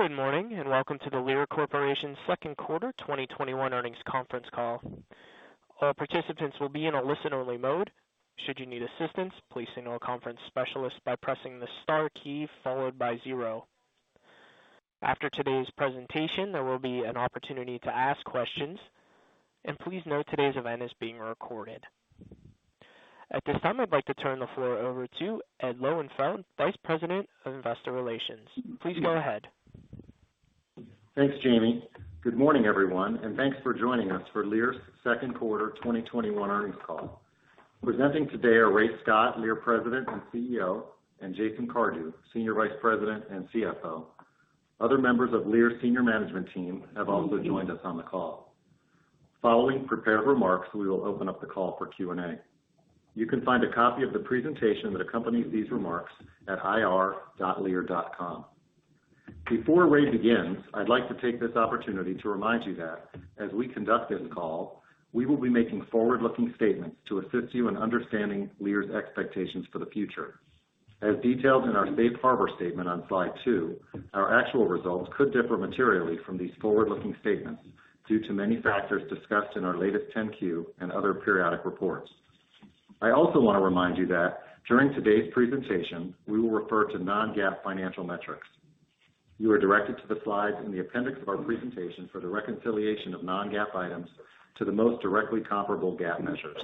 Good morning, welcome to the Lear Corporation's second quarter 2021 earnings conference call. All participants will be in a listen-only mode. Should you need assistance, please signal a conference specialist by pressing the star key followed by zero. After today's presentation, there will be an opportunity to ask questions. Please note, today's event is being recorded. At this time, I'd like to turn the floor over to Ed Lowenfeld, Vice President of Investor Relations. Please go ahead. Thanks, Jamie. Good morning, everyone, and thanks for joining us for Lear's second quarter 2021 earnings call. Presenting today are Ray Scott, Lear President and CEO, and Jason Cardew, Senior Vice President and CFO. Other members of Lear senior management team have also joined us on the call. Following prepared remarks, we will open up the call for Q&A. You can find a copy of the presentation that accompanies these remarks at ir.lear.com. Before Ray begins, I'd like to take this opportunity to remind you that as we conduct this call, we will be making forward-looking statements to assist you in understanding Lear's expectations for the future. As detailed in our safe harbor statement on slide two, our actual results could differ materially from these forward-looking statements due to many factors discussed in our latest 10-Q and other periodic reports. I also want to remind you that during today's presentation, we will refer to non-GAAP financial metrics. You are directed to the slides in the appendix of our presentation for the reconciliation of non-GAAP items to the most directly comparable GAAP measures.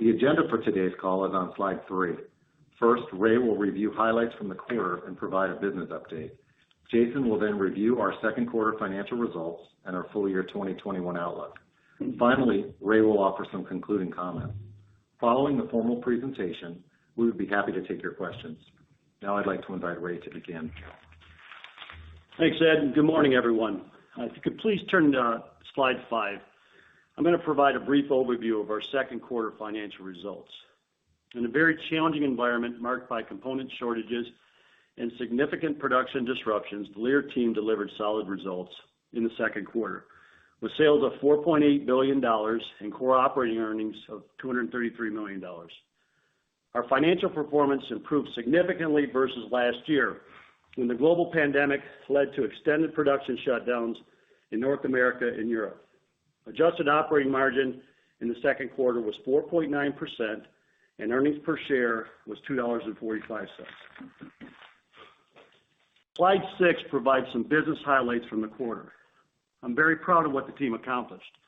The agenda for today's call is on slide three. First, Ray will review highlights from the quarter and provide a business update. Jason will review our second quarter financial results and our full-year 2021 outlook. Finally, Ray will offer some concluding comments. Following the formal presentation, we would be happy to take your questions. I'd like to invite Ray to begin. Thanks, Ed, and good morning, everyone. If you could please turn to slide five, I'm going to provide a brief overview of our second quarter financial results. In a very challenging environment marked by component shortages and significant production disruptions, the Lear team delivered solid results in the second quarter with sales of $4.8 billion and core operating earnings of $233 million. Our financial performance improved significantly versus last year when the global pandemic led to extended production shutdowns in North America and Europe. Adjusted operating margin in the second quarter was 4.9% and earnings per share was $2.45. Slide six provides some business highlights from the quarter. I'm very proud of what the team accomplished.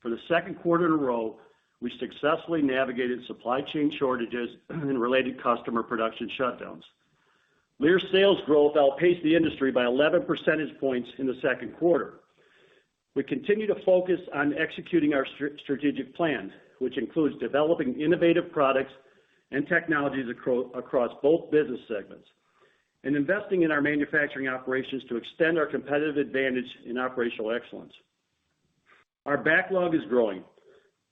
For the second quarter in a row, we successfully navigated supply chain shortages and related customer production shutdowns. Lear sales growth outpaced the industry by 11 percentage points in the second quarter. We continue to focus on executing our strategic plans, which includes developing innovative products and technologies across both business segments and investing in our manufacturing operations to extend our competitive advantage in operational excellence. Our backlog is growing,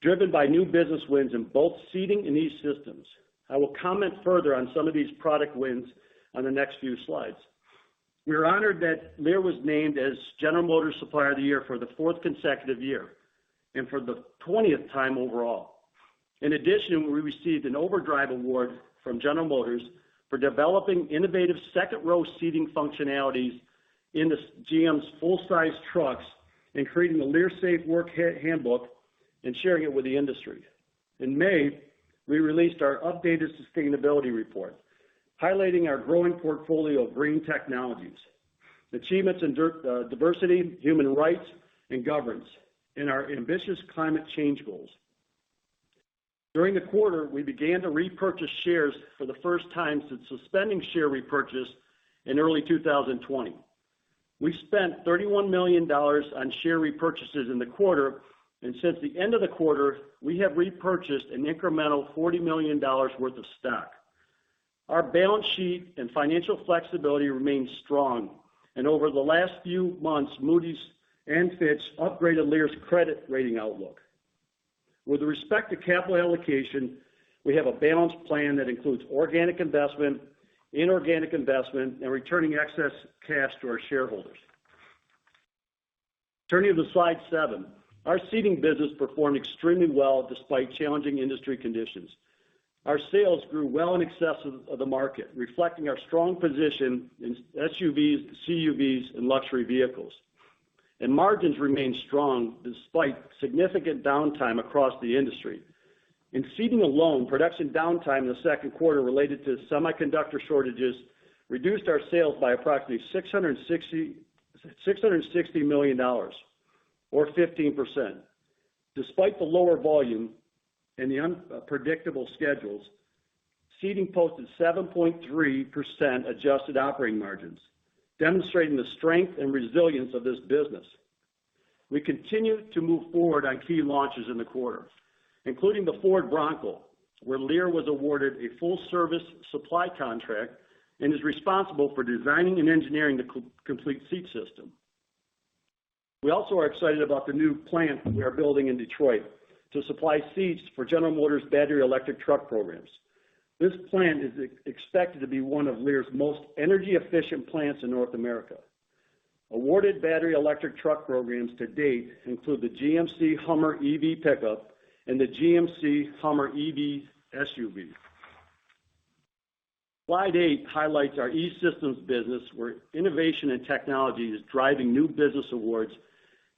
driven by new business wins in both Seating and E-Systems. I will comment further on some of these product wins on the next few slides. We are honored that Lear was named as General Motors' Supplier of the Year for the fourth consecutive year and for the 20th time overall. In addition, we received an Overdrive Award from General Motors for developing innovative second-row seating functionalities in GM's full-size trucks and creating the Lear Safe Work Handbook and sharing it with the industry. In May, we released our updated sustainability report highlighting our growing portfolio of green technologies, achievements in diversity, human rights, and governance in our ambitious climate change goals. During the quarter, we began to repurchase shares for the first time since suspending share repurchase in early 2020. We spent $31 million on share repurchases in the quarter, and since the end of the quarter, we have repurchased an incremental $40 million worth of stock. Our balance sheet and financial flexibility remains strong, and over the last few months, Moody's and Fitch upgraded Lear's credit rating outlook. With respect to capital allocation, we have a balanced plan that includes organic investment, inorganic investment, and returning excess cash to our shareholders. Turning to slide seven. Our Seating business performed extremely well despite challenging industry conditions. Our sales grew well in excess of the market, reflecting our strong position in SUVs, CUVs and luxury vehicles. Margins remained strong despite significant downtime across the industry. In Seating alone, production downtime in the second quarter related to semiconductor shortages reduced our sales by approximately $660 million or 15%. Despite the lower volume and the unpredictable schedules, Seating posted 7.3% adjusted operating margins, demonstrating the strength and resilience of this business. We continued to move forward on key launches in the quarter, including the Ford Bronco, where Lear was awarded a full-service supply contract and is responsible for designing and engineering the complete seat system. We also are excited about the new plant we are building in Detroit to supply seats for General Motors' battery electric truck programs. This plant is expected to be one of Lear's most energy-efficient plants in North America. Awarded battery electric truck programs to date include the GMC Hummer EV pickup and the GMC Hummer EV SUV. Slide eight highlights our E-Systems business, where innovation and technology is driving new business awards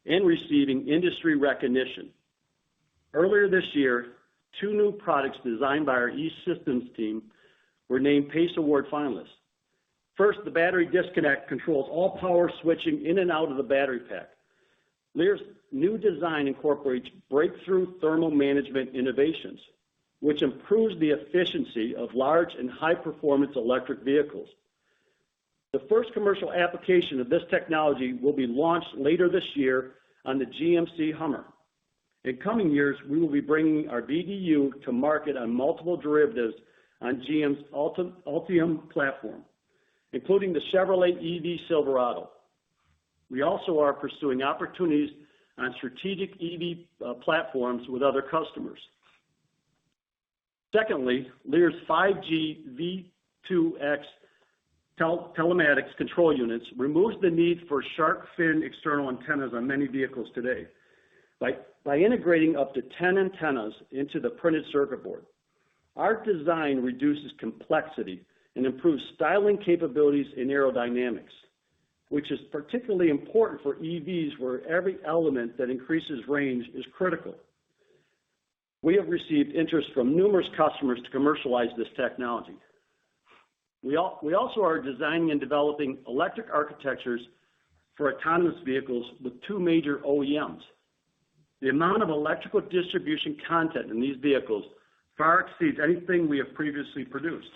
and receiving industry recognition. Earlier this year, two new products designed by our E-Systems team were named PACE Award finalists. First, the battery disconnect controls all power switching in and out of the battery pack. Lear's new design incorporates breakthrough thermal management innovations, which improves the efficiency of large and high-performance electric vehicles. The first commercial application of this technology will be launched later this year on the GMC Hummer. In coming years, we will be bringing our BDU to market on multiple derivatives on GM's Ultium platform, including the Chevrolet Silverado EV. We also are pursuing opportunities on strategic EV platforms with other customers. Secondly, Lear's 5G V2X Telematics Control Units removes the need for shark fin external antennas on many vehicles today. By integrating up to 10 antennas into the printed circuit board, our design reduces complexity and improves styling capabilities in aerodynamics, which is particularly important for EVs, where every element that increases range is critical. We have received interest from numerous customers to commercialize this technology. We also are designing and developing electric architectures for autonomous vehicles with two major OEMs. The amount of electrical distribution content in these vehicles far exceeds anything we have previously produced.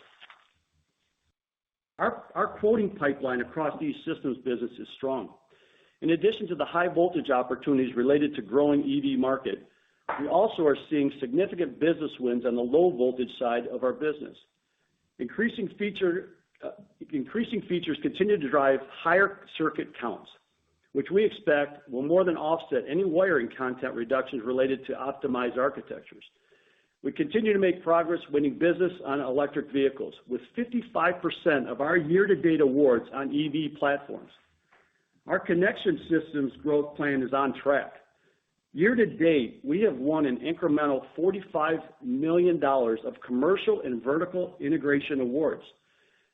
Our quoting pipeline across E-Systems business is strong. In addition to the high voltage opportunities related to growing EV market, we also are seeing significant business wins on the low voltage side of our business. Increasing features continue to drive higher circuit counts, which we expect will more than offset any wiring content reductions related to optimized architectures. We continue to make progress winning business on electric vehicles, with 55% of our year-to-date awards on EV platforms. Our connection systems growth plan is on track. Year to date, we have won an incremental $45 million of commercial and vertical integration awards.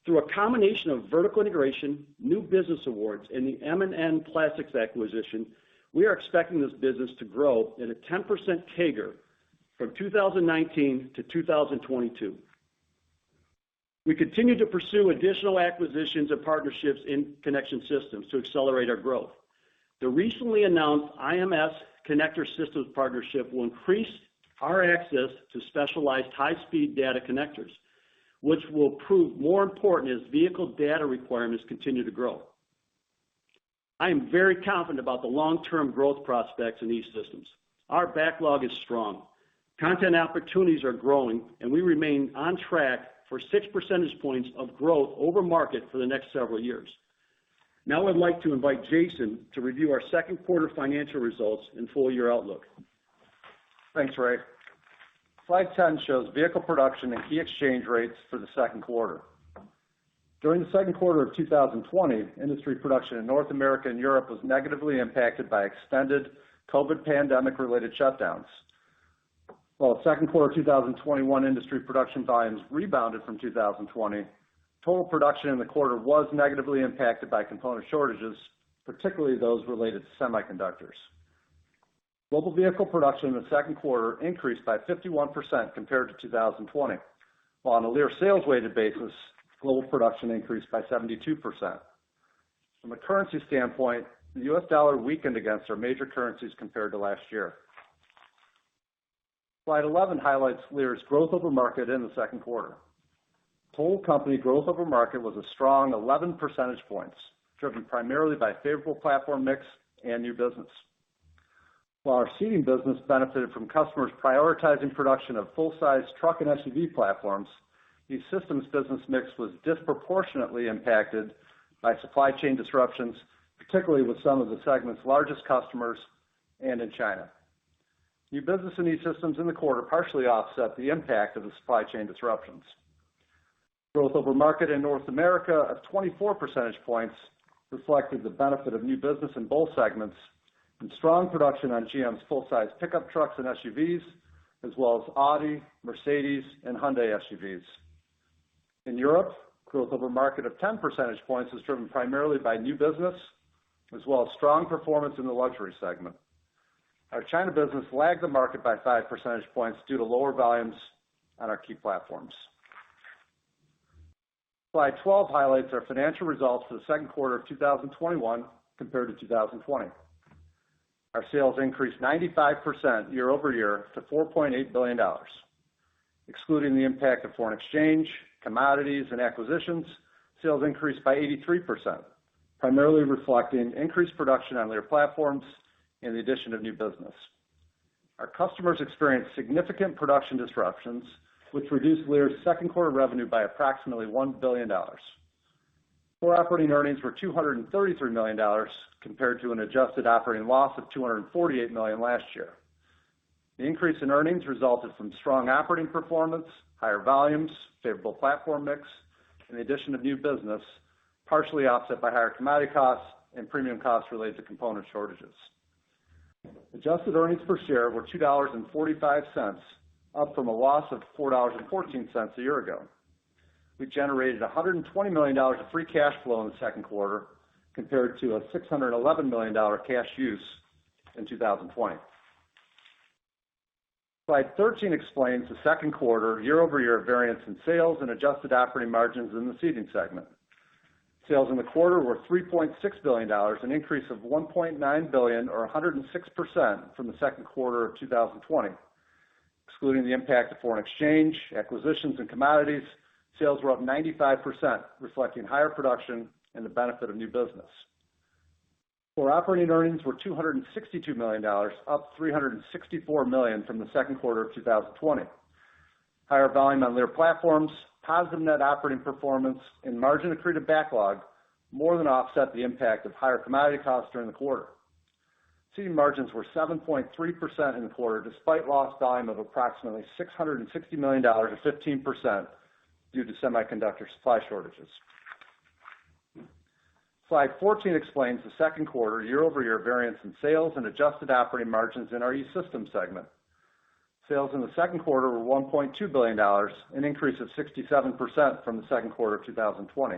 Through a combination of vertical integration, new business awards, and the M&N Plastics acquisition, we are expecting this business to grow at a 10% CAGR from 2019-2022. We continue to pursue additional acquisitions and partnerships in connection systems to accelerate our growth. The recently announced IMS Connector Systems partnership will increase our access to specialized high-speed data connectors, which will prove more important as vehicle data requirements continue to grow. I am very confident about the long-term growth prospects in E-Systems. Our backlog is strong. Content opportunities are growing, and we remain on track for six percentage points of growth over market for the next several years. I'd like to invite Jason to review our second quarter financial results and full-year outlook. Thanks, Ray. Slide 10 shows vehicle production and key exchange rates for the second quarter. During the second quarter of 2020, industry production in North America and Europe was negatively impacted by extended COVID-19 pandemic-related shutdowns. While second quarter 2021 industry production volumes rebounded from 2020, total production in the quarter was negatively impacted by component shortages, particularly those related to semiconductors. Global vehicle production in the second quarter increased by 51% compared to 2020. While on a Lear sales weighted basis, global production increased by 72%. From a currency standpoint, the U.S. dollar weakened against our major currencies compared to last year. Slide 11 highlights Lear's growth over market in the second quarter. Total company growth over market was a strong 11 percentage points, driven primarily by favorable platform mix and new business. While our Seating business benefited from customers prioritizing production of full-size truck and SUV platforms, E-Systems business mix was disproportionately impacted by supply chain disruptions, particularly with some of the segment's largest customers and in China. New business in E-Systems in the quarter partially offset the impact of the supply chain disruptions. Growth over market in North America of 24 percentage points reflected the benefit of new business in both segments and strong production on GM's full-size pickup trucks and SUVs, as well as Audi, Mercedes, and Hyundai SUVs. In Europe, growth over market of 10 percentage points was driven primarily by new business, as well as strong performance in the luxury segment. Our China business lagged the market by five percentage points due to lower volumes on our key platforms. Slide 12 highlights our financial results for the second quarter of 2021 compared to 2020. Our sales increased 95% year-over-year to $4.8 billion. Excluding the impact of foreign exchange, commodities, and acquisitions, sales increased by 83%, primarily reflecting increased production on Lear platforms and the addition of new business. Our customers experienced significant production disruptions, which reduced Lear's second quarter revenue by approximately $1 billion. Core operating earnings were $233 million compared to an adjusted operating loss of $248 million last year. The increase in earnings resulted from strong operating performance, higher volumes, favorable platform mix, and the addition of new business, partially offset by higher commodity costs and premium costs related to component shortages. Adjusted earnings per share were $2.45, up from a loss of $4.14 a year ago. We generated $120 million of free cash flow in the second quarter, compared to a $611 million cash use in 2020. Slide 13 explains the second quarter year-over-year variance in sales and adjusted operating margins in the Seating segment. Sales in the quarter were $3.6 billion, an increase of $1.9 billion or 106% from the second quarter 2020. Excluding the impact of foreign exchange, acquisitions, and commodities, sales were up 95%, reflecting higher production and the benefit of new business. Core operating earnings were $262 million, up $364 million from the second quarter 2020. Higher volume on Lear platforms, positive net operating performance, and margin accretive backlog more than offset the impact of higher commodity costs during the quarter. Seating margins were 7.3% in the quarter, despite lost volume of approximately $660 million or 15% due to semiconductor supply shortages. Slide 14 explains the second quarter year-over-year variance in sales and adjusted operating margins in our E-Systems segment. Sales in the second quarter were $1.2 billion, an increase of 67% from the second quarter of 2020.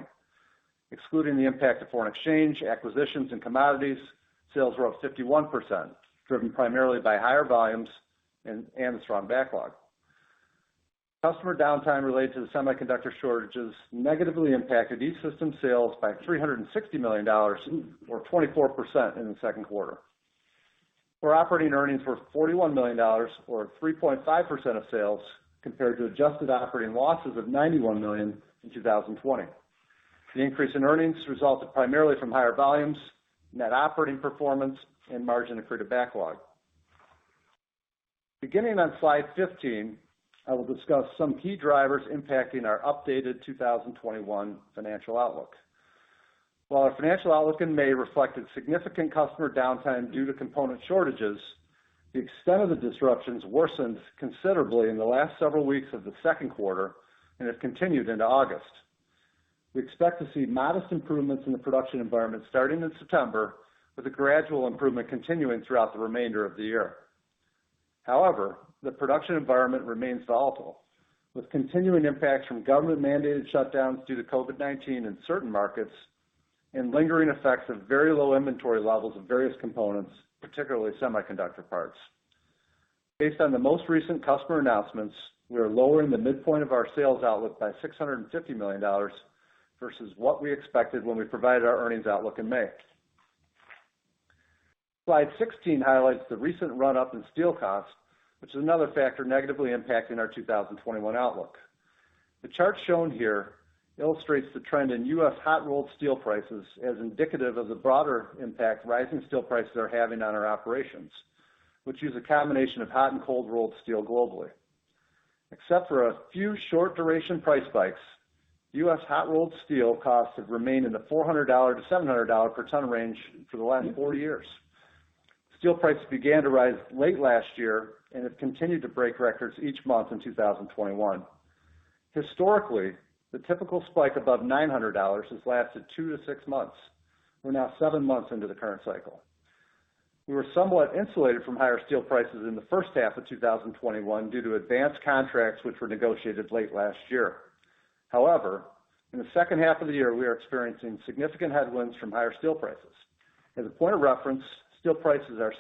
Excluding the impact of foreign exchange, acquisitions, and commodities, sales were up 51%, driven primarily by higher volumes and a strong backlog. Customer downtime related to the semiconductor shortages negatively impacted E-Systems sales by $360 million or 24% in the second quarter. Core operating earnings were $41 million or 3.5% of sales, compared to adjusted operating losses of $91 million in 2020. The increase in earnings resulted primarily from higher volumes, net operating performance, and margin accretive backlog. Beginning on slide 15, I will discuss some key drivers impacting our updated 2021 financial outlook. While our financial outlook in May reflected significant customer downtime due to component shortages, the extent of the disruptions worsened considerably in the last several weeks of the second quarter and have continued into August. We expect to see modest improvements in the production environment starting in September, with a gradual improvement continuing throughout the remainder of the year. However, the production environment remains volatile, with continuing impacts from government-mandated shutdowns due to COVID-19 in certain markets and lingering effects of very low inventory levels of various components, particularly semiconductor parts. Based on the most recent customer announcements, we are lowering the midpoint of our sales outlook by $650 million versus what we expected when we provided our earnings outlook in May. Slide 16 highlights the recent run-up in steel costs, which is another factor negatively impacting our 2021 outlook. The chart shown here illustrates the trend in U.S. hot-rolled steel prices as indicative of the broader impact rising steel prices are having on our operations, which use a combination of hot and cold rolled steel globally. Except for a few short-duration price spikes, U.S. hot-rolled steel costs have remained in the $400-$700 per ton range for the last four years. Steel prices began to rise late last year and have continued to break records each month in 2021. Historically, the typical spike above $900 has lasted two to six months. We're now seven months into the current cycle. We were somewhat insulated from higher steel prices in the first half of 2021 due to advanced contracts, which were negotiated late last year. In the second half of the year, we are experiencing significant headwinds from higher steel prices. As a point of reference, steel prices are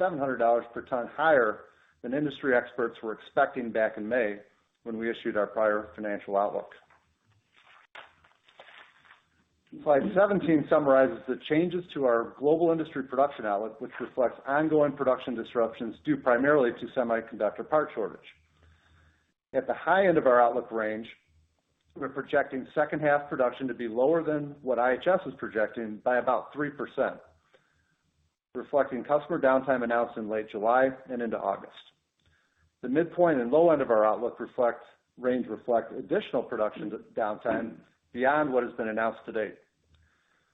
$600-$700 per ton higher than industry experts were expecting back in May when we issued our prior financial outlook. Slide 17 summarizes the changes to our global industry production outlook, which reflects ongoing production disruptions due primarily to semiconductor part shortage. At the high end of our outlook range, we're projecting second half production to be lower than what IHS was projecting by about 3%, reflecting customer downtime announced in late July and into August. The midpoint and low end of our outlook range reflect additional production downtime beyond what has been announced to date.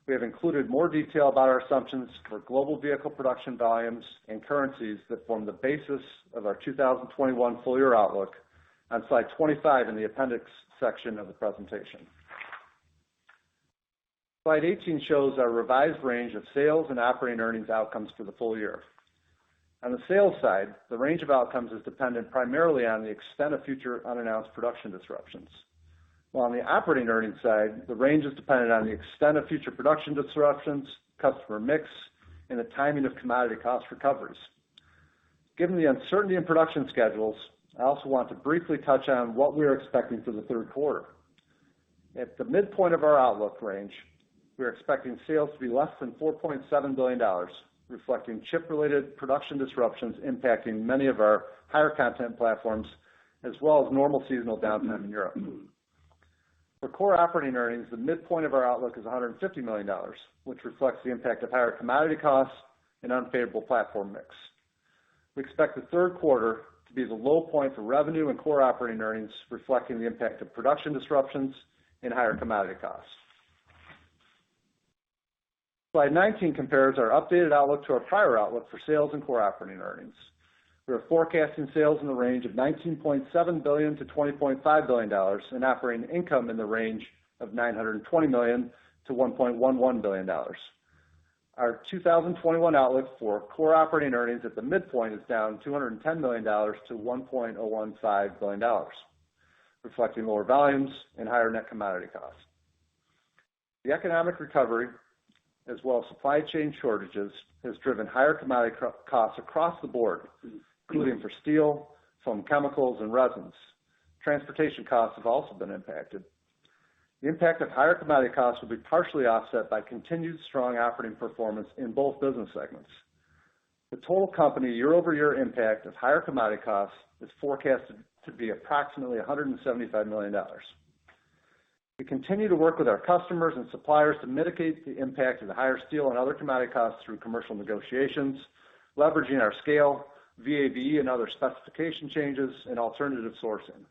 We have included more detail about our assumptions for global vehicle production volumes and currencies that form the basis of our 2021 full-year outlook on slide 25 in the appendix section of the presentation. Slide 18 shows our revised range of sales and operating earnings outcomes for the full year. On the sales side, the range of outcomes is dependent primarily on the extent of future unannounced production disruptions, while on the operating earnings side, the range is dependent on the extent of future production disruptions, customer mix, and the timing of commodity cost recoveries. Given the uncertainty in production schedules, I also want to briefly touch on what we are expecting for the third quarter. At the midpoint of our outlook range, we are expecting sales to be less than $4.7 billion, reflecting chip-related production disruptions impacting many of our higher content platforms, as well as normal seasonal downtime in Europe. For core operating earnings, the midpoint of our outlook is $150 million, which reflects the impact of higher commodity costs and unfavorable platform mix. We expect the third quarter to be the low point for revenue and core operating earnings, reflecting the impact of production disruptions and higher commodity costs. Slide 19 compares our updated outlook to our prior outlook for sales and core operating earnings. We are forecasting sales in the range of $19.7 billion-$20.5 billion, and operating income in the range of $920 million-$1.11 billion. Our 2021 outlook for core operating earnings at the midpoint is down $210 million to $1.015 billion, reflecting lower volumes and higher net commodity costs. The economic recovery, as well as supply chain shortages, has driven higher commodity costs across the board, including for steel, foam chemicals, and resins. Transportation costs have also been impacted. The impact of higher commodity costs will be partially offset by continued strong operating performance in both business segments. The total company year-over-year impact of higher commodity costs is forecasted to be approximately $175 million. We continue to work with our customers and suppliers to mitigate the impact of the higher steel and other commodity costs through commercial negotiations, leveraging our scale, VA/VE and other specification changes, and alternative sourcing.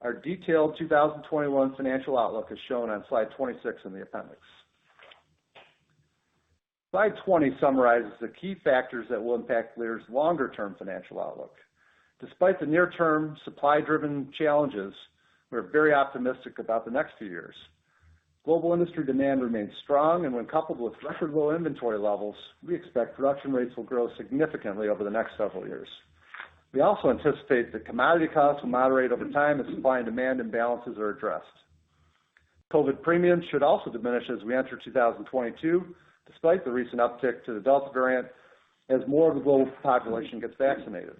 Our detailed 2021 financial outlook is shown on slide 26 in the appendix. Slide 20 summarizes the key factors that will impact Lear's longer-term financial outlook. Despite the near-term supply-driven challenges, we're very optimistic about the next few years. Global industry demand remains strong when coupled with record low inventory levels, we expect production rates will grow significantly over the next several years. We also anticipate that commodity costs will moderate over time as supply and demand imbalances are addressed. COVID premiums should also diminish as we enter 2022, despite the recent uptick to the Delta variant, as more of the global population gets vaccinated.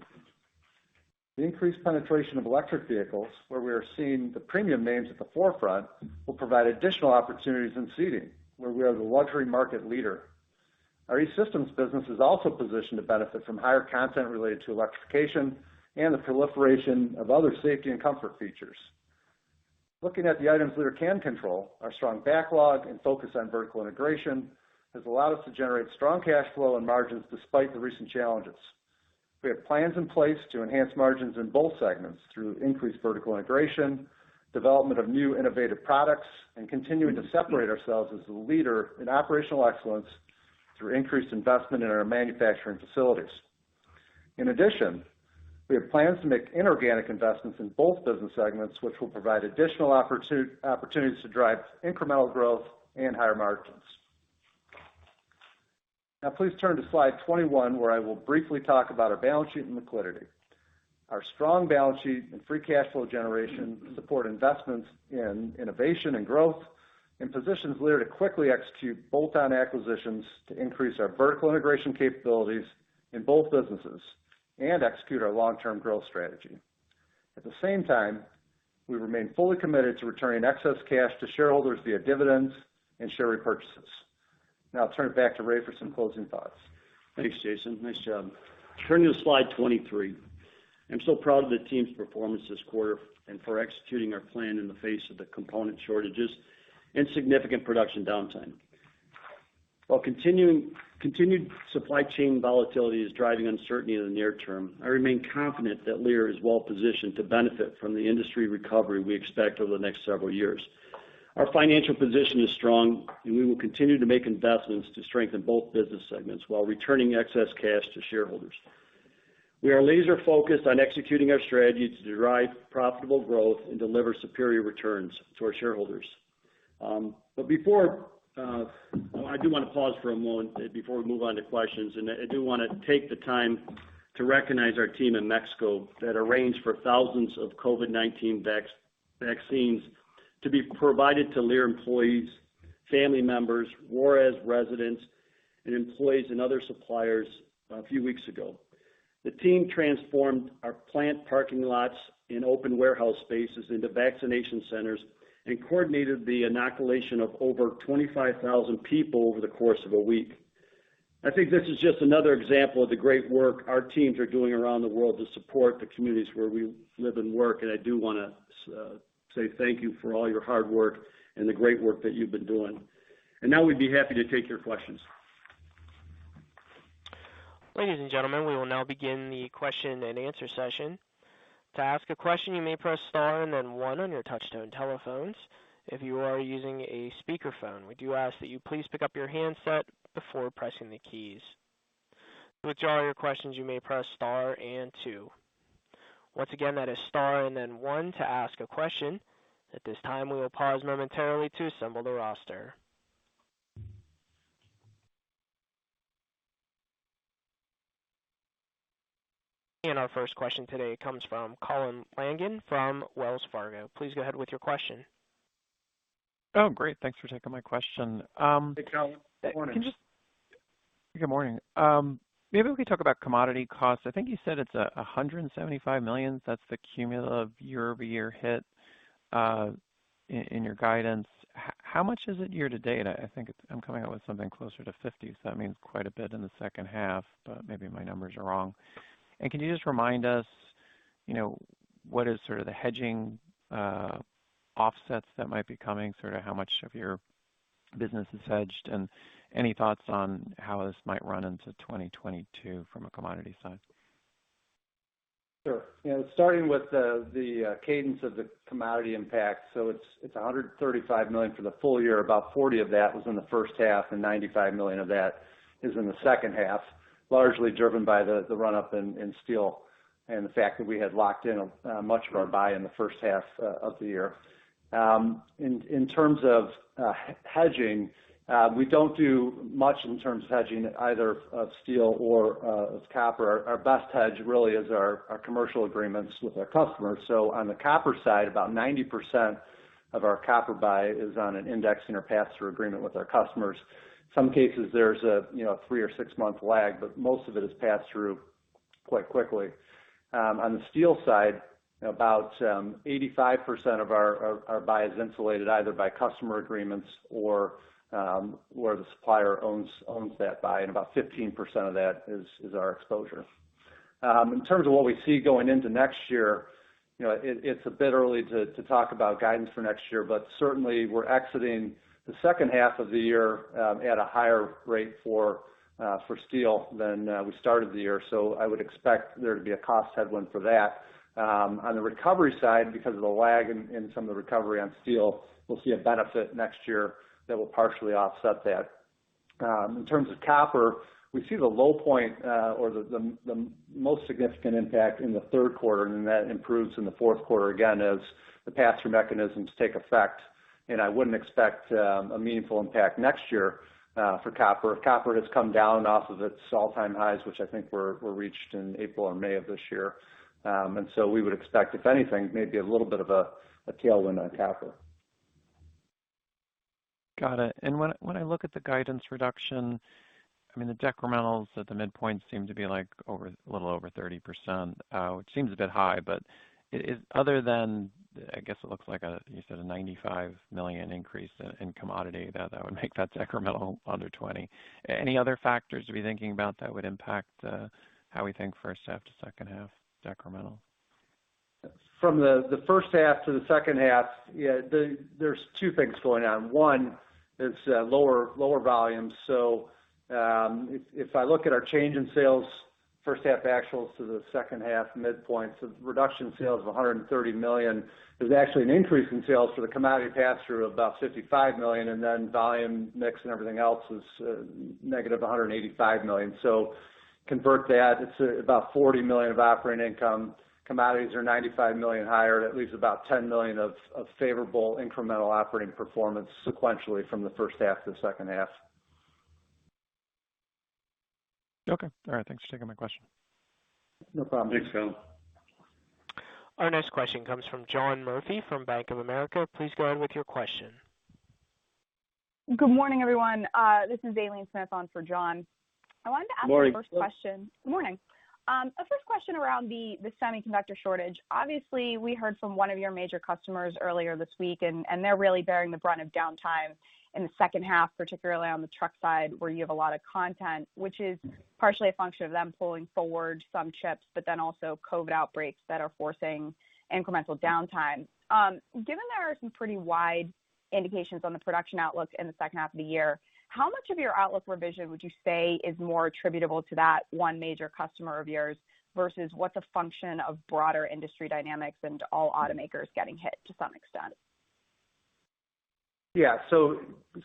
The increased penetration of electric vehicles, where we are seeing the premium names at the forefront, will provide additional opportunities in Seating, where we are the luxury market leader. Our E-Systems business is also positioned to benefit from higher content related to electrification and the proliferation of other safety and comfort features. Looking at the items Lear can control, our strong backlog and focus on vertical integration has allowed us to generate strong cash flow and margins despite the recent challenges. We have plans in place to enhance margins in both segments through increased vertical integration, development of new innovative products, and continuing to separate ourselves as a leader in operational excellence through increased investment in our manufacturing facilities. We have plans to make inorganic investments in both business segments, which will provide additional opportunities to drive incremental growth and higher margins. Please turn to slide 21, where I will briefly talk about our balance sheet and liquidity. Our strong balance sheet and free cash flow generation support investments in innovation and growth and positions Lear to quickly execute bolt-on acquisitions to increase our vertical integration capabilities in both businesses and execute our long-term growth strategy. We remain fully committed to returning excess cash to shareholders via dividends and share repurchases. I'll turn it back to Ray for some closing thoughts. Thanks, Jason. Nice job. Turning to slide 23. I'm so proud of the team's performance this quarter and for executing our plan in the face of the component shortages and significant production downtime. While continued supply chain volatility is driving uncertainty in the near term, I remain confident that Lear is well positioned to benefit from the industry recovery we expect over the next several years. Our financial position is strong, and we will continue to make investments to strengthen both business segments while returning excess cash to shareholders. We are laser-focused on executing our strategy to derive profitable growth and deliver superior returns to our shareholders. I do want to pause for a moment before we move on to questions. I do want to take the time to recognize our team in Mexico that arranged for thousands of COVID-19 vaccines to be provided to Lear employees, family members, Juárez residents, and employees in other suppliers a few weeks ago. The team transformed our plant parking lots and open warehouse spaces into vaccination centers and coordinated the inoculation of over 25,000 people over the course of a week. I think this is just another example of the great work our teams are doing around the world to support the communities where we live and work. I do want to say thank you for all your hard work and the great work that you've been doing. Now we'd be happy to take your questions. Ladies and gentlemen, we will now begin the question-and-answer session. To ask a question, you may press star and then one on your touch tone telephones. If you are using a speaker phone, we do ask to please pick up your handset before pressing the keys. To withdraw your questions, you may please press star and two. Once again, that is star and then one to ask a question. This time we will pause momentarily to assemble the roster. Our first question today comes from Colin Langan from Wells Fargo. Please go ahead with your question. Oh, great. Thanks for taking my question. Hey, Colin. Good morning. Good morning. Maybe we can talk about commodity costs. I think you said it's $175 million, that's the cumulative year-over-year hit in your guidance. How much is it year-to-date? I think I'm coming up with something closer to $50 million, so that means quite a bit in the second half, but maybe my numbers are wrong. Can you just remind us what is sort of the hedging offsets that might be coming, sort of how much of your business is hedged? Any thoughts on how this might run into 2022 from a commodity side? Sure. Starting with the cadence of the commodity impact. It's $135 million for the full year. About $40 of that was in the first half, and $95 million of that is in the second half, largely driven by the run-up in steel and the fact that we had locked in much of our buy in the first half of the year. In terms of hedging, we don't do much in terms of hedging, either of steel or of copper. Our best hedge really is our commercial agreements with our customer. On the copper side, about 90% of our copper buy is on an index in our pass-through agreement with our customers. Some cases, there's a three or six-month lag, but most of it is passed through quite quickly. On the steel side, about 85% of our buy is insulated either by customer agreements or where the supplier owns that buy, and about 15% of that is our exposure. In terms of what we see going into next year, it's a bit early to talk about guidance for next year, but certainly we're exiting the second half of the year at a higher rate for steel than we started the year. I would expect there to be a cost headwind for that. On the recovery side, because of the lag in some of the recovery on steel, we'll see a benefit next year that will partially offset that. In terms of copper, we see the low point or the most significant impact in the third quarter, and then that improves in the fourth quarter again as the pass-through mechanisms take effect. I wouldn't expect a meaningful impact next year for copper. Copper has come down off of its all-time highs, which I think were reached in April or May of this year. We would expect, if anything, maybe a little bit of a tailwind on copper. Got it. When I look at the guidance reduction, the decrementals at the midpoint seem to be a little over 30%, which seems a bit high, but other than, I guess it looks like a, you said a $95 million increase in commodity, that would make that decremental under 20%. Any other factors we're thinking about that would impact how we think first half to second half decremental? From the first half to the second half, there's two things going on. One is lower volumes. If I look at our change in sales first half actuals to the second half midpoints of reduction sales of $130 million, there's actually an increase in sales for the commodity pass-through of about $55 million, and then volume mix and everything else is -$185 million. Convert that, it's about $40 million of operating income. Commodities are $95 million higher. That leaves about $10 million of favorable incremental operating performance sequentially from the first half to the second half. Okay. All right. Thanks for taking my question. No problem. Thanks, Colin. Our next question comes from John Murphy from Bank of America. Please go ahead with your question. Good morning, everyone. This is Aileen Smith on for John. Morning. Morning. A first question around the semiconductor shortage. Obviously, we heard from one of your major customers earlier this week. They're really bearing the brunt of downtime in the second half, particularly on the truck side, where you have a lot of content, which is partially a function of them pulling forward some chips. Also COVID outbreaks that are forcing incremental downtime. Given there are some pretty wide indications on the production outlook in the second half of the year, how much of your outlook revision would you say is more attributable to that one major customer of yours versus what's a function of broader industry dynamics and all automakers getting hit to some extent?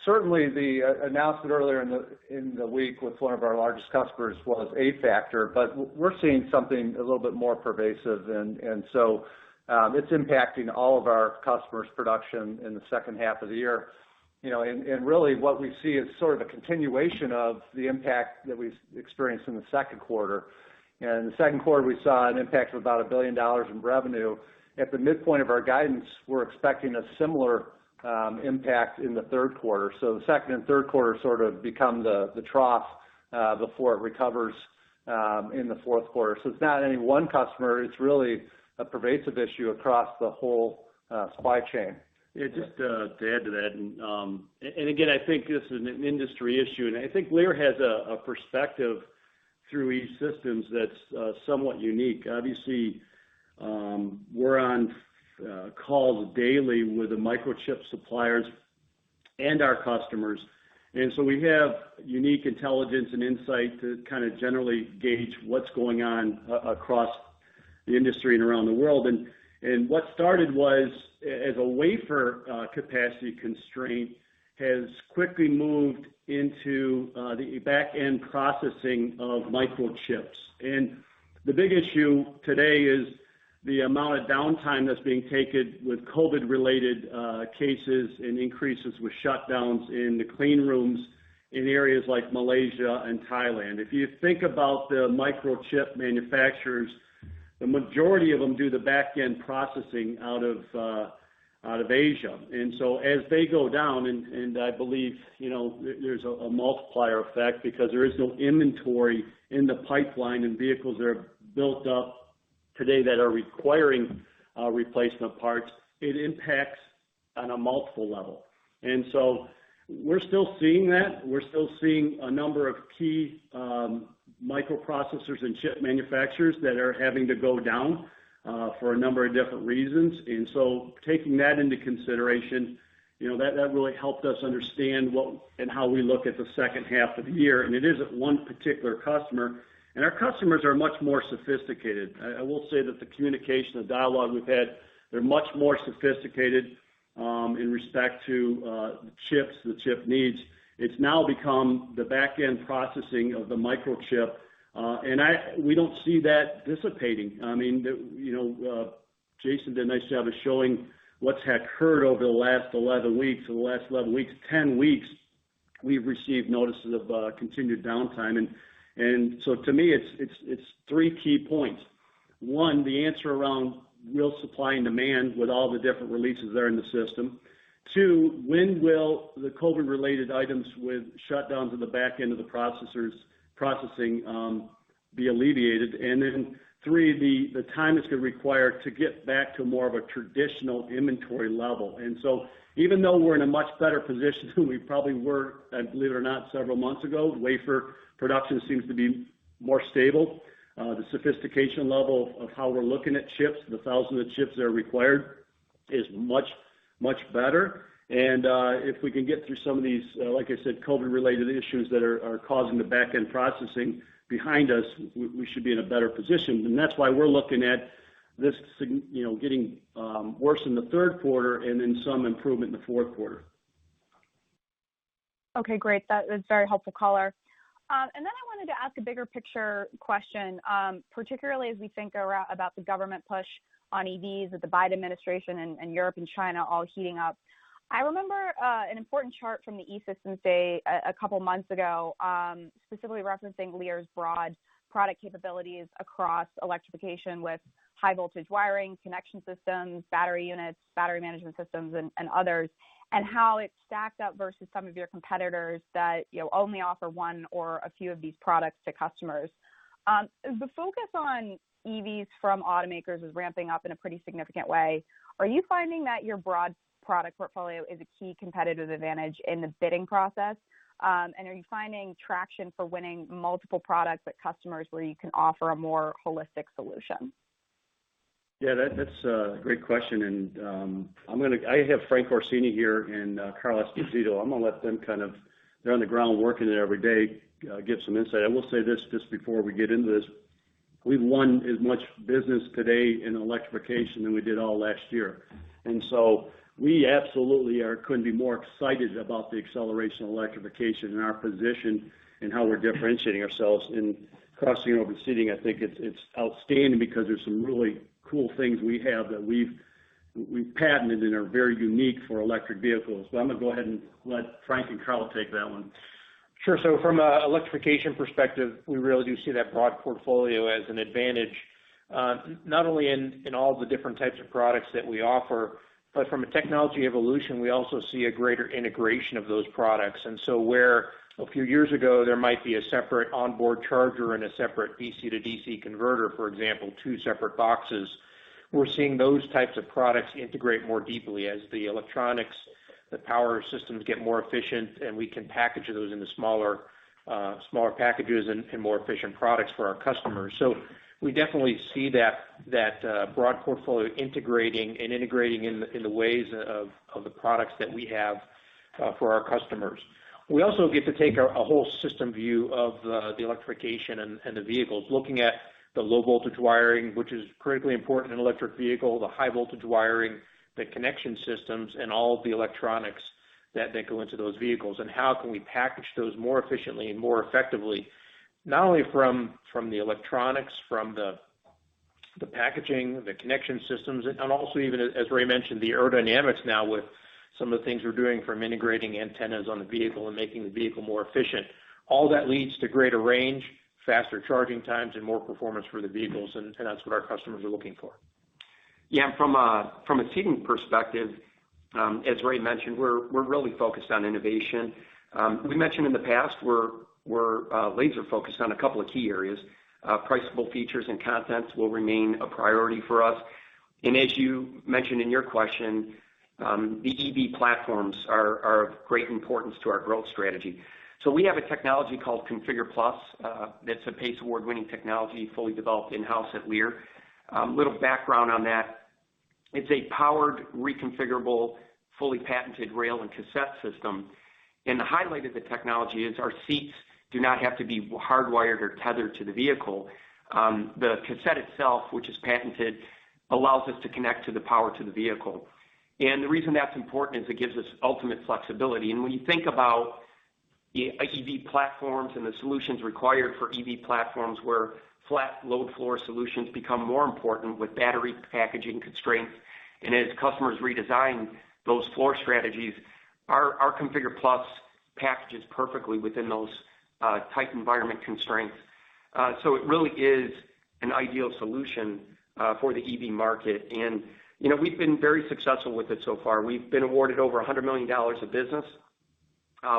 Certainly the announcement earlier in the week with one of our largest customers was a factor, but we're seeing something a little bit more pervasive. It's impacting all of our customers' production in the second half of the year. Really what we see is sort of a continuation of the impact that we experienced in the second quarter. In the second quarter, we saw an impact of about $1 billion in revenue. At the midpoint of our guidance, we're expecting a similar impact in the third quarter. The second and third quarter sort of become the trough before it recovers in the fourth quarter. It's not any one customer, it's really a pervasive issue across the whole supply chain. Yeah, just to add to that, again, I think this is an industry issue, and I think Lear has a perspective through E-Systems that's somewhat unique. Obviously, we're on calls daily with the microchip suppliers and our customers, so we have unique intelligence and insight to kind of generally gauge what's going on across the industry and around the world. What started was, as a wafer capacity constraint, has quickly moved into the back-end processing of microchips. The big issue today is the amount of downtime that's being taken with COVID-19-related cases and increases with shutdowns in the clean rooms in areas like Malaysia and Thailand. If you think about the microchip manufacturers, the majority of them do the back-end processing out of Asia. As they go down, and I believe there's a multiplier effect because there is no inventory in the pipeline, and vehicles are built up today that are requiring replacement parts, it impacts on a multiple level. We're still seeing that. We're still seeing a number of key microprocessors and chip manufacturers that are having to go down. For a number of different reasons. Taking that into consideration, that really helped us understand what and how we look at the second half of the year. It isn't one particular customer. Our customers are much more sophisticated. I will say that the communication, the dialogue we've had, they're much more sophisticated in respect to chips, the chip needs. It's now become the backend processing of the microchip. We don't see that dissipating. Jason did a nice job of showing what's occurred over the last 11 weeks. In the last 11 weeks, 10 weeks, we've received notices of continued downtime. To me, it's three key points. One, the answer around real supply and demand with all the different releases that are in the system. Two, when will the COVID-related items with shutdowns in the back end of the processors be alleviated. Then three, the time it's going to require to get back to more of a traditional inventory level. Even though we're in a much better position than we probably were, believe it or not, several months ago, wafer production seems to be more stable. The sophistication level of how we're looking at chips, the thousands of chips that are required, is much, much better. If we can get through some of these, like I said, COVID-related issues that are causing the backend processing behind us, we should be in a better position. That's why we're looking at this getting worse in the third quarter and then some improvement in the fourth quarter. Okay, great. That was very helpful color. I wanted to ask a bigger picture question, particularly as we think about the government push on EVs with the Biden administration and Europe and China all heating up. I remember an important chart from the E-Systems day a couple of months ago, specifically referencing Lear's broad product capabilities across electrification with high voltage wiring, connection systems, battery units, battery management systems, and others, and how it stacked up versus some of your competitors that only offer one or a few of these products to customers. As the focus on EVs from automakers is ramping up in a pretty significant way, are you finding that your broad product portfolio is a key competitive advantage in the bidding process? Are you finding traction for winning multiple products with customers where you can offer a more holistic solution? That's a great question. I have Frank Orsini here and Carl Esposito. I'm going to let them, they're on the ground working it every day, give some insight. I will say this just before we get into this. We've won as much business today in electrification than we did all last year. We absolutely couldn't be more excited about the acceleration of electrification and our position and how we're differentiating ourselves in crossing over Seating. I think it's outstanding because there's some really cool things we have that we've patented and are very unique for electric vehicles. I'm going to go ahead and let Frank and Carl take that one. Sure. From an electrification perspective, we really do see that broad portfolio as an advantage, not only in all the different types of products that we offer, but from a technology evolution, we also see a greater integration of those products. Where a few years ago, there might be a separate onboard charger and a separate AC to DC converter, for example, two separate boxes, we're seeing those types of products integrate more deeply as the electronics, the power systems get more efficient, and we can package those into smaller packages and more efficient products for our customers. We definitely see that broad portfolio integrating and integrating in the ways of the products that we have for our customers. We also get to take a whole system view of the electrification and the vehicles, looking at the low voltage wiring, which is critically important in electric vehicle, the high voltage wiring, the connection systems, and all of the electronics that then go into those vehicles. How can we package those more efficiently and more effectively, not only from the electronics, from the packaging, the connection systems, and also even, as Ray mentioned, the aerodynamics now with some of the things we're doing from integrating antennas on the vehicle and making the vehicle more efficient. All that leads to greater range, faster charging times, and more performance for the vehicles, and that's what our customers are looking for. Yeah, from a Seating perspective, as Ray mentioned, we're really focused on innovation. We mentioned in the past, we're laser-focused on a couple of key areas. Priceable features and content will remain a priority for us. As you mentioned in your question, the EV platforms are of great importance to our growth strategy. We have a technology called ConfigurE+ that's a PACE Award-winning technology, fully developed in-house at Lear. A little background on that. It's a powered, reconfigurable, fully patented rail and cassette system. The highlight of the technology is our seats do not have to be hardwired or tethered to the vehicle. The cassette itself, which is patented, allows us to connect to the power to the vehicle. The reason that's important is it gives us ultimate flexibility. When you think about EV platforms and the solutions required for EV platforms where flat load floor solutions become more important with battery packaging constraints, and as customers redesign those floor strategies, our ConfigurE+ packages perfectly within those tight environment constraints. It really is an ideal solution for the EV market. We've been very successful with it so far. We've been awarded over $100 million of business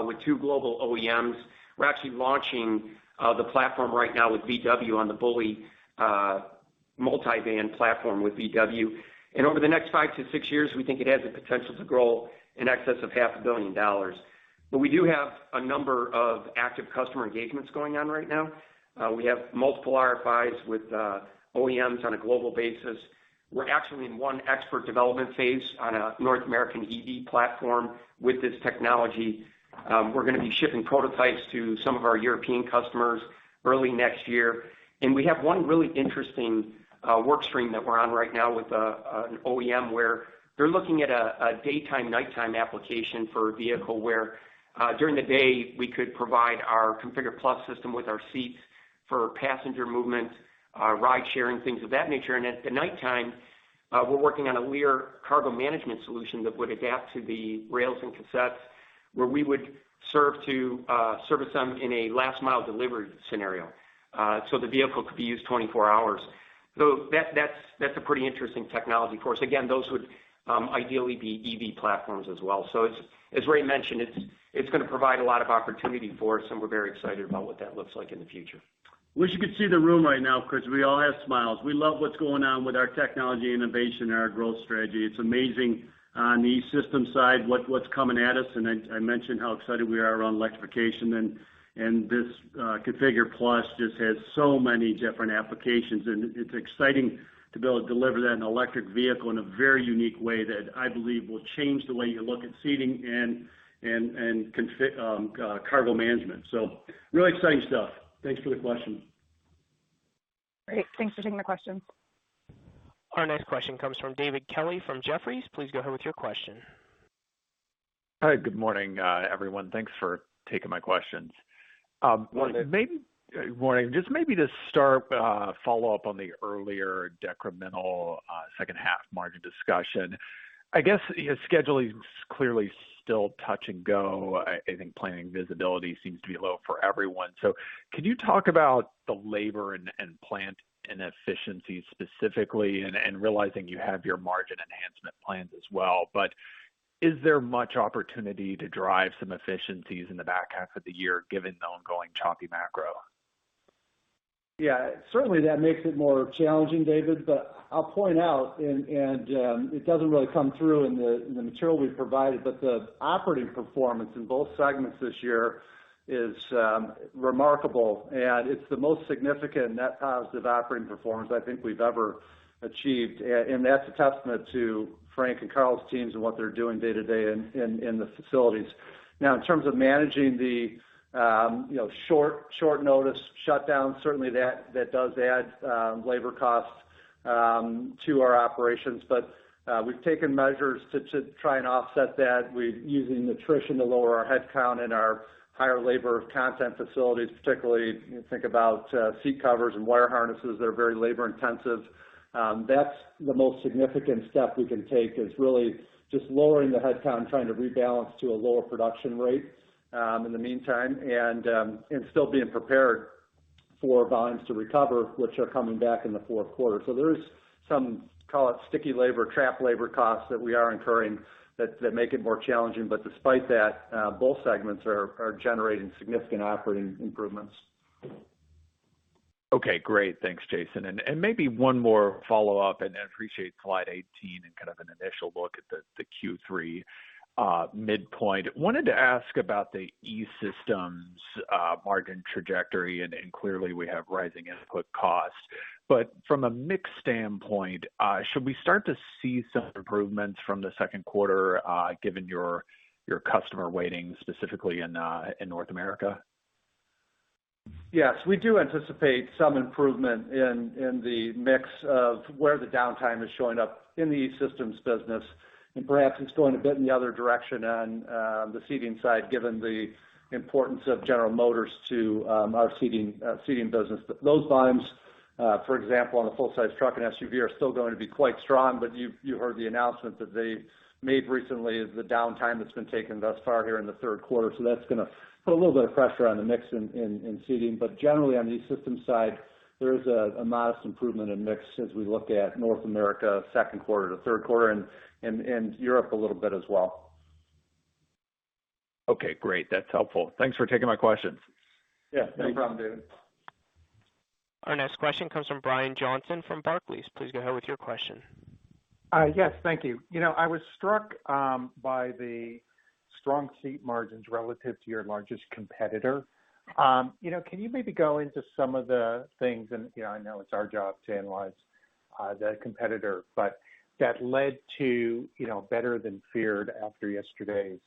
with two global OEMs. We're actually launching the platform right now with VW on the Bulli Multivan platform with VW. Over the next five to six years, we think it has the potential to grow in excess of half a billion dollars. We do have a number of active customer engagements going on right now. We have multiple RFIs with OEMs on a global basis. We're actually in one expert development phase on a North American EV platform with this technology. We're going to be shipping prototypes to some of our European customers early next year. We have one really interesting work stream that we're on right now with an OEM, where they're looking at a daytime/nighttime application for a vehicle where, during the day, we could provide our ConfigurE+ system with our seats for passenger movement, ride sharing, things of that nature. At the nighttime, we're working on a Lear cargo management solution that would adapt to the rails and cassettes, where we would serve to service them in a last-mile delivery scenario. The vehicle could be used 24 hours. That's a pretty interesting technology for us. Again, those would ideally be EV platforms as well. As Ray mentioned, it's going to provide a lot of opportunity for us, and we're very excited about what that looks like in the future. Wish you could see the room right now 'cause we all have smiles. We love what's going on with our technology innovation and our growth strategy. It's amazing on the E-Systems side, what's coming at us, and I mentioned how excited we are around electrification and this ConfigurE+ just has so many different applications. It's exciting to be able to deliver that in an electric vehicle in a very unique way that I believe will change the way you look at seating and cargo management. Really exciting stuff. Thanks for the question. Great. Thanks for taking the question. Our next question comes from David Kelley from Jefferies. Please go ahead with your question. Hi. Good morning, everyone. Thanks for taking my questions. Morning. Morning. Just maybe to start, follow up on the earlier decremental second half margin discussion. I guess scheduling's clearly still touch and go. I think planning visibility seems to be low for everyone. Can you talk about the labor and plant and efficiencies specifically, and realizing you have your margin enhancement plans as well, but is there much opportunity to drive some efficiencies in the back half of the year, given the ongoing choppy macro? Yeah. Certainly, that makes it more challenging, David. I'll point out, and it doesn't really come through in the material we've provided, but the operating performance in both segments this year is remarkable, and it's the most significant net positive operating performance I think we've ever achieved. That's a testament to Frank and Carl's teams and what they're doing day-to-day in the facilities. Now, in terms of managing the short notice shutdowns, certainly that does add labor costs to our operations. We've taken measures to try and offset that. We're using attrition to lower our headcount and our higher labor of content facilities, particularly think about seat covers and wire harnesses that are very labor intensive. That's the most significant step we can take is really just lowering the headcount, trying to rebalance to a lower production rate in the meantime, and still being prepared for volumes to recover, which are coming back in the fourth quarter. There is some, call it sticky labor, trapped labor costs that we are incurring that make it more challenging. Despite that, both segments are generating significant operating improvements. Okay, great. Thanks, Jason. Maybe one more follow-up, and I appreciate slide 18 and kind of an initial look at the Q3 midpoint. Wanted to ask about the E-Systems margin trajectory, and clearly we have rising input costs. From a mix standpoint, should we start to see some improvements from the second quarter, given your customer waiting, specifically in North America? Yes. We do anticipate some improvement in the mix of where the downtime is showing up in the E-Systems business. Perhaps it's going a bit in the other direction on the Seating side, given the importance of General Motors to our Seating business. Those volumes, for example, on a full-size truck and SUV are still going to be quite strong, but you heard the announcement that they made recently, the downtime that's been taken thus far here in the third quarter. That's going to put a little bit of pressure on the mix in Seating. Generally, on the E-Systems side, there is a modest improvement in mix as we look at North America second quarter to third quarter, and Europe a little bit as well. Okay, great. That's helpful. Thanks for taking my questions. Yeah. No problem, David. Our next question comes from Brian Johnson from Barclays. Please go ahead with your question. Yes. Thank you. I was struck by the strong seat margins relative to your largest competitor. Can you maybe go into some of the things, and I know it's our job to analyze the competitor, but that led to better than feared after yesterday's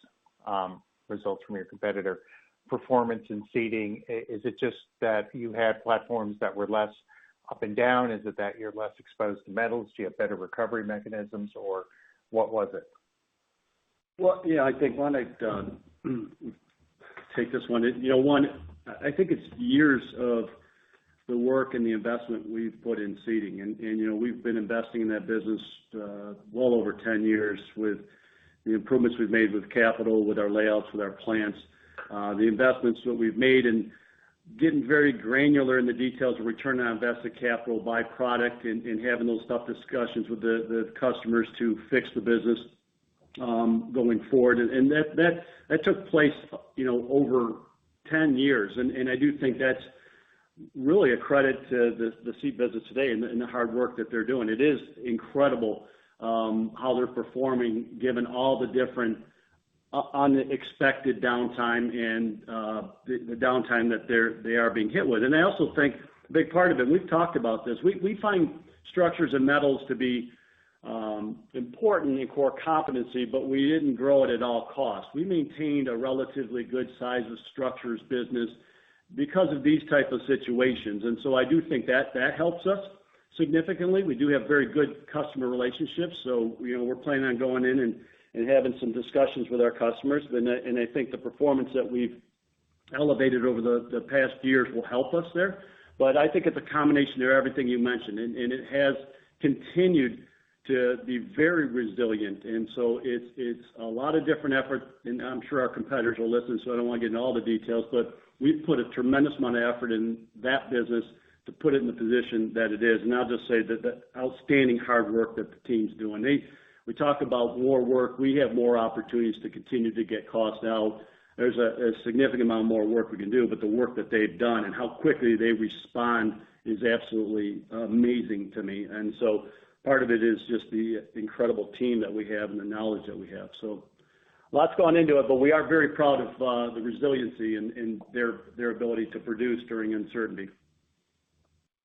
results from your competitor performance in Seating. Is it just that you had platforms that were less up and down? Is it that you're less exposed to metals? Do you have better recovery mechanisms, or what was it? Well, yeah. I think why don't I take this one. One, I think it's years of the work and the investment we've put in Seating. We've been investing in that business well over 10 years with the improvements we've made with capital, with our layouts, with our plants. The investments that we've made in getting very granular in the details of return on invested capital by product and having those tough discussions with the customers to fix the business going forward. That took place over 10 years, and I do think that's really a credit to the seat business today and the hard work that they're doing. It is incredible how they're performing given all the different unexpected downtime and the downtime that they are being hit with. I also think a big part of it, we've talked about this, we find structures and metals to be important in core competency, but we didn't grow it at all costs. We maintained a relatively good size of structures business because of these type of situations. I do think that helps us significantly. We do have very good customer relationships. We're planning on going in and having some discussions with our customers. I think the performance that we've elevated over the past years will help us there. I think it's a combination of everything you mentioned, and it has continued to be very resilient. It's a lot of different efforts, and I'm sure our competitors will listen, so I don't want to get into all the details, but we've put a tremendous amount of effort in that business to put it in the position that it is. I'll just say that the outstanding hard work that the team's doing. We talk about more work. We have more opportunities to continue to get costs out. There's a significant amount of more work we can do, but the work that they've done and how quickly they respond is absolutely amazing to me. Part of it is just the incredible team that we have and the knowledge that we have. Lot's gone into it, but we are very proud of the resiliency and their ability to produce during uncertainty.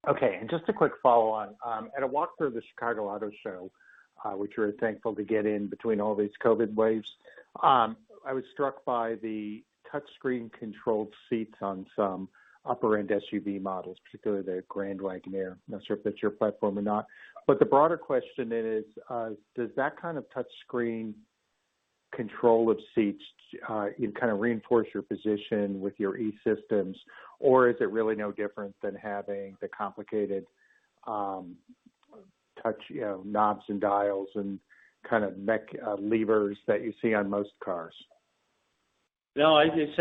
Okay, just a quick follow on. At a walk through of the Chicago Auto Show, which we were thankful to get in between all these COVID waves, I was struck by the touchscreen-controlled seats on some upper-end SUV models, particularly the Grand Wagoneer. Not sure if that's your platform or not, the broader question is, does that kind of touchscreen control of seats kind of reinforce your position with your E-Systems, or is it really no different than having the complicated touch knobs and dials and kind of mech levers that you see on most cars? No, it's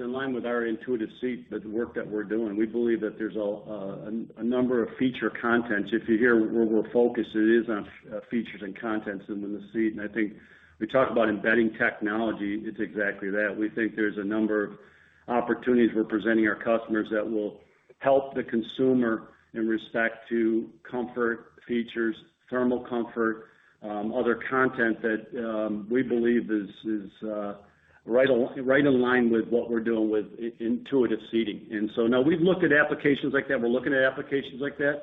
in line with our INTU seat, the work that we're doing. We believe that there's a number of feature contents. If you hear where we're focused, it is on features and contents in the seat. I think we talk about embedding technology, it's exactly that. We think there's a number of opportunities we're presenting our customers that will help the consumer in respect to comfort features, thermal comfort, other content that we believe is right in line with what we're doing with INTU seating. Now we've looked at applications like that. We're looking at applications like that.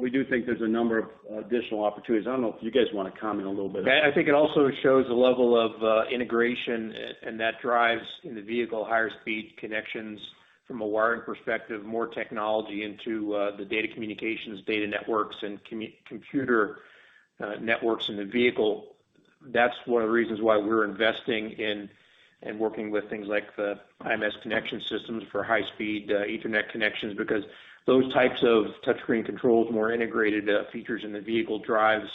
We do think there's a number of additional opportunities. I don't know if you guys want to comment a little bit. I think it also shows a level of integration and that drives in the vehicle higher speed connections from a wiring perspective, more technology into the data communications, data networks, and computer networks in the vehicle. That's one of the reasons why we're investing in and working with things like the IMS Connector Systems for high speed Ethernet connections because those types of touchscreen controls, more integrated features in the vehicle drives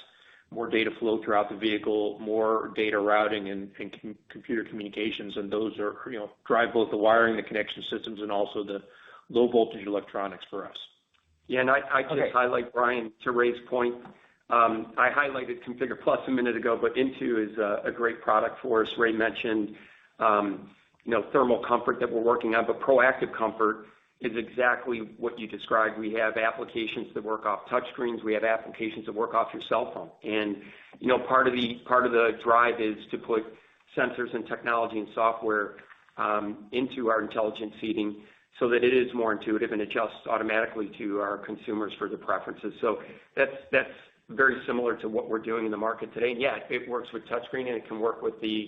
more data flow throughout the vehicle, more data routing and computer communications. Those drive both the wiring, the connection systems, and also the low voltage electronics for us. I'd just highlight Brian, to Ray's point, I highlighted ConfigurE+ a minute ago, but INTU is a great product for us. Ray mentioned thermal comfort that we're working on, but proactive comfort is exactly what you described. We have applications that work off touchscreens. We have applications that work off your cell phone. Part of the drive is to put sensors and technology and software into our intelligent seating so that it is more intuitive and adjusts automatically to our consumers for their preferences. That's very similar to what we're doing in the market today. It works with touchscreen, and it can work with the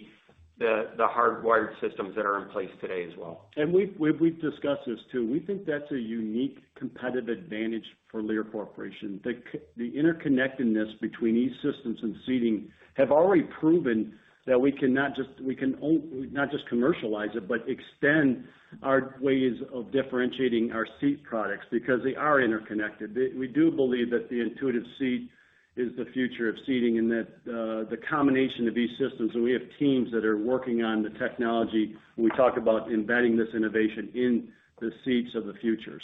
hardwired systems that are in place today as well. We've discussed this too. We think that's a unique competitive advantage for Lear Corporation. The interconnectedness between these systems and Seating have already proven that we can not just commercialize it, but extend our ways of differentiating our seat products because they are interconnected. We do believe that the intuitive seat is the future of Seating, and that the combination of these systems, and we have teams that are working on the technology when we talk about embedding this innovation in the seats of the future.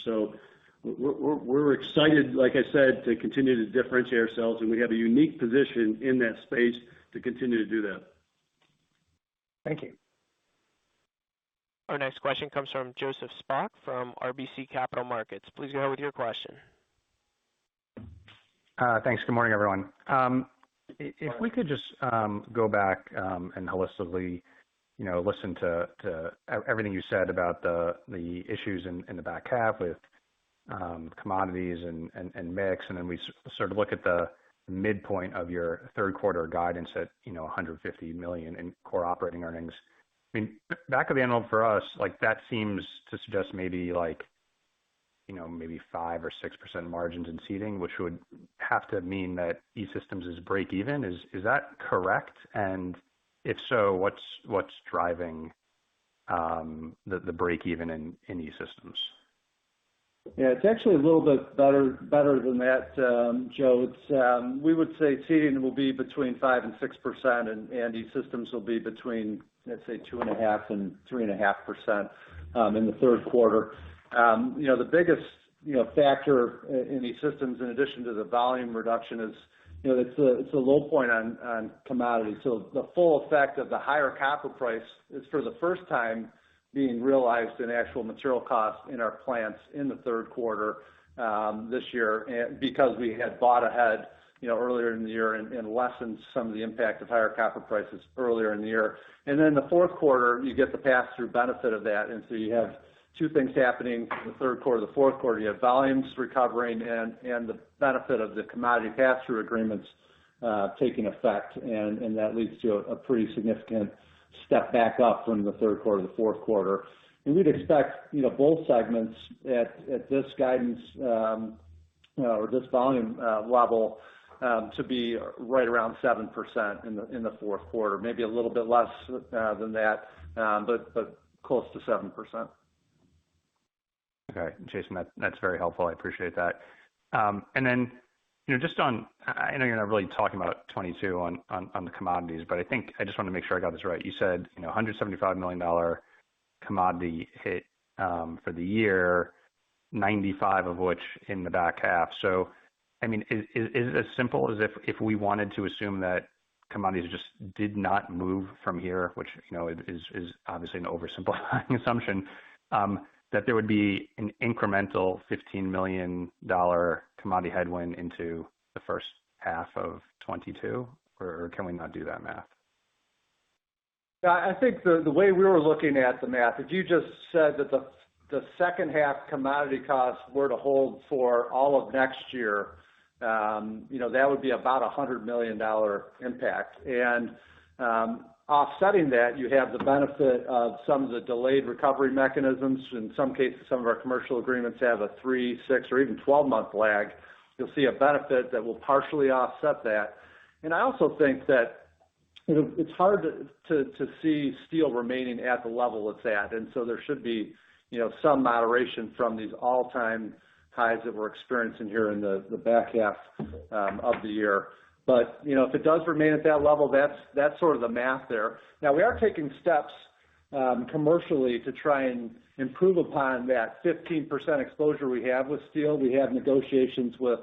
We're excited, like I said, to continue to differentiate ourselves, and we have a unique position in that space to continue to do that. Thank you. Our next question comes from Joseph Spak from RBC Capital Markets. Please go ahead with your question. Thanks. Good morning, everyone. If we could just go back and holistically listen to everything you said about the issues in the back half with commodities and mix, we sort of look at the midpoint of your third quarter guidance at $150 million in core operating earnings. Back of the envelope for us, like that seems to suggest maybe 5% or 6% margins in Seating, which would have to mean that E-Systems is break even. Is that correct? If so, what's driving the break even in E-Systems? It's actually a little bit better than that, Joe. We would say Seating will be between 5% and 6%, and E-Systems will be between, let's say, 2.5% and 3.5% in the third quarter. The biggest factor in E-Systems, in addition to the volume reduction is it's a low point on commodities. The full effect of the higher copper price is, for the first time, being realized in actual material costs in our plants in the third quarter this year because we had bought ahead earlier in the year and lessened some of the impact of higher copper prices earlier in the year. The fourth quarter, you get the pass-through benefit of that. You have two things happening from the third quarter to the fourth quarter. You have volumes recovering and the benefit of the commodity pass-through agreements taking effect, and that leads to a pretty significant step back up from the third quarter to the fourth quarter. We'd expect both segments at this guidance or this volume level to be right around 7% in the fourth quarter. Maybe a little bit less than that, but close to 7%. Okay. Jason, that's very helpful. I appreciate that. I know you're not really talking about 2022 on the commodities, but I think I just want to make sure I got this right. You said $175 million commodity hit for the year, $95 million of which in the back half. Is it as simple as if we wanted to assume that commodities just did not move from here, which is obviously an oversimplifying assumption, that there would be an incremental $15 million commodity headwind into the first half of 2022, or can we not do that math? I think the way we were looking at the math, if you just said that the second half commodity costs were to hold for all of next year, that would be about $100 million impact. Offsetting that, you have the benefit of some of the delayed recovery mechanisms. In some cases, some of our commercial agreements have a three, six, or even 12-month lag. You'll see a benefit that will partially offset that. I also think that it's hard to see steel remaining at the level it's at. There should be some moderation from these all-time highs that we're experiencing here in the back half of the year. If it does remain at that level, that's sort of the math there. We are taking steps commercially to try and improve upon that 15% exposure we have with steel. We have negotiations with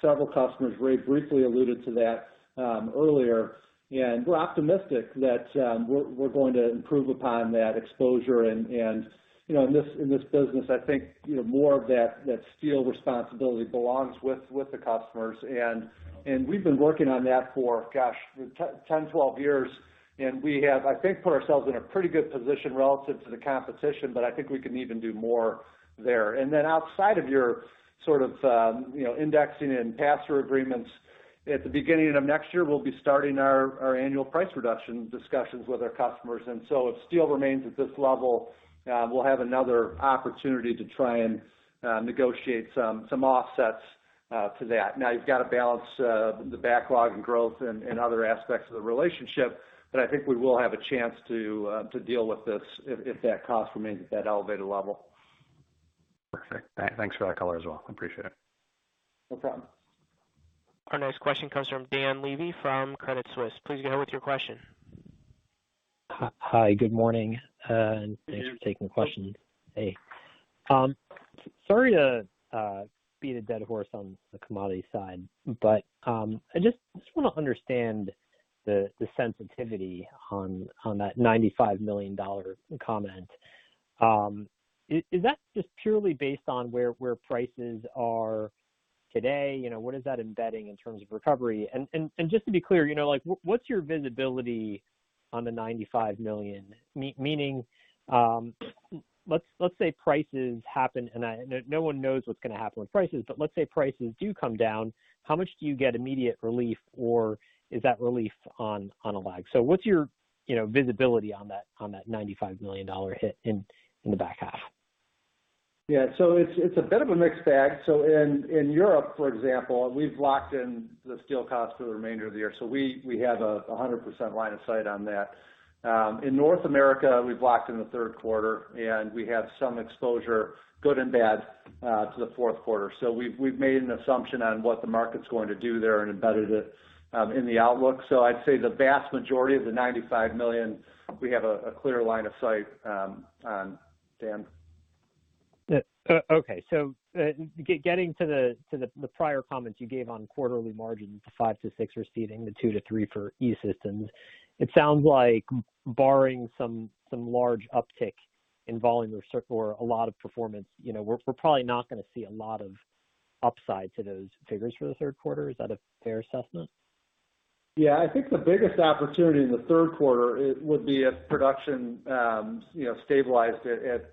several customers. Ray briefly alluded to that earlier. We're optimistic that we're going to improve upon that exposure. In this business, I think more of that steel responsibility belongs with the customers, and we've been working on that for, gosh, 10, 12 years. We have, I think, put ourselves in a pretty good position relative to the competition, but I think we can even do more there. Outside of your sort of indexing and pass-through agreements, at the beginning of next year, we'll be starting our annual price reduction discussions with our customers. If steel remains at this level, we'll have another opportunity to try and negotiate some offsets to that. You've got to balance the backlog and growth and other aspects of the relationship. I think we will have a chance to deal with this if that cost remains at that elevated level. Perfect. Thanks for that color as well. I appreciate it. No problem. Our next question comes from Dan Levy from Credit Suisse. Please go ahead with your question. Hi. Good morning. Good morning. Thanks for taking the question. Hey. Sorry to beat a dead horse on the commodity side, but I just want to understand the sensitivity on that $95 million comment. Is that just purely based on where prices are today? What is that embedding in terms of recovery? Just to be clear, what's your visibility on the $95 million? Meaning, let's say prices happen, and no one knows what's going to happen with prices, but let's say prices do come down. How much do you get immediate relief, or is that relief on a lag? What's your visibility on that $95 million hit in the back half? It's a bit of a mixed bag. In Europe, for example, we've locked in the steel cost for the remainder of the year, so we have a 100% line of sight on that. In North America, we've locked in the third quarter, and we have some exposure, good and bad, to the fourth quarter. We've made an assumption on what the market's going to do there and embedded it in the outlook. I'd say the vast majority of the $95 million, we have a clear line of sight on, Dan. Okay. Getting to the prior comments you gave on quarterly margins, the 5%-6% for Seating, the 2%-3% for E-Systems, it sounds like barring some large uptick in volume or a lot of performance, we're probably not going to see a lot of upside to those figures for the third quarter. Is that a fair assessment? Yeah. I think the biggest opportunity in the third quarter would be if production stabilized at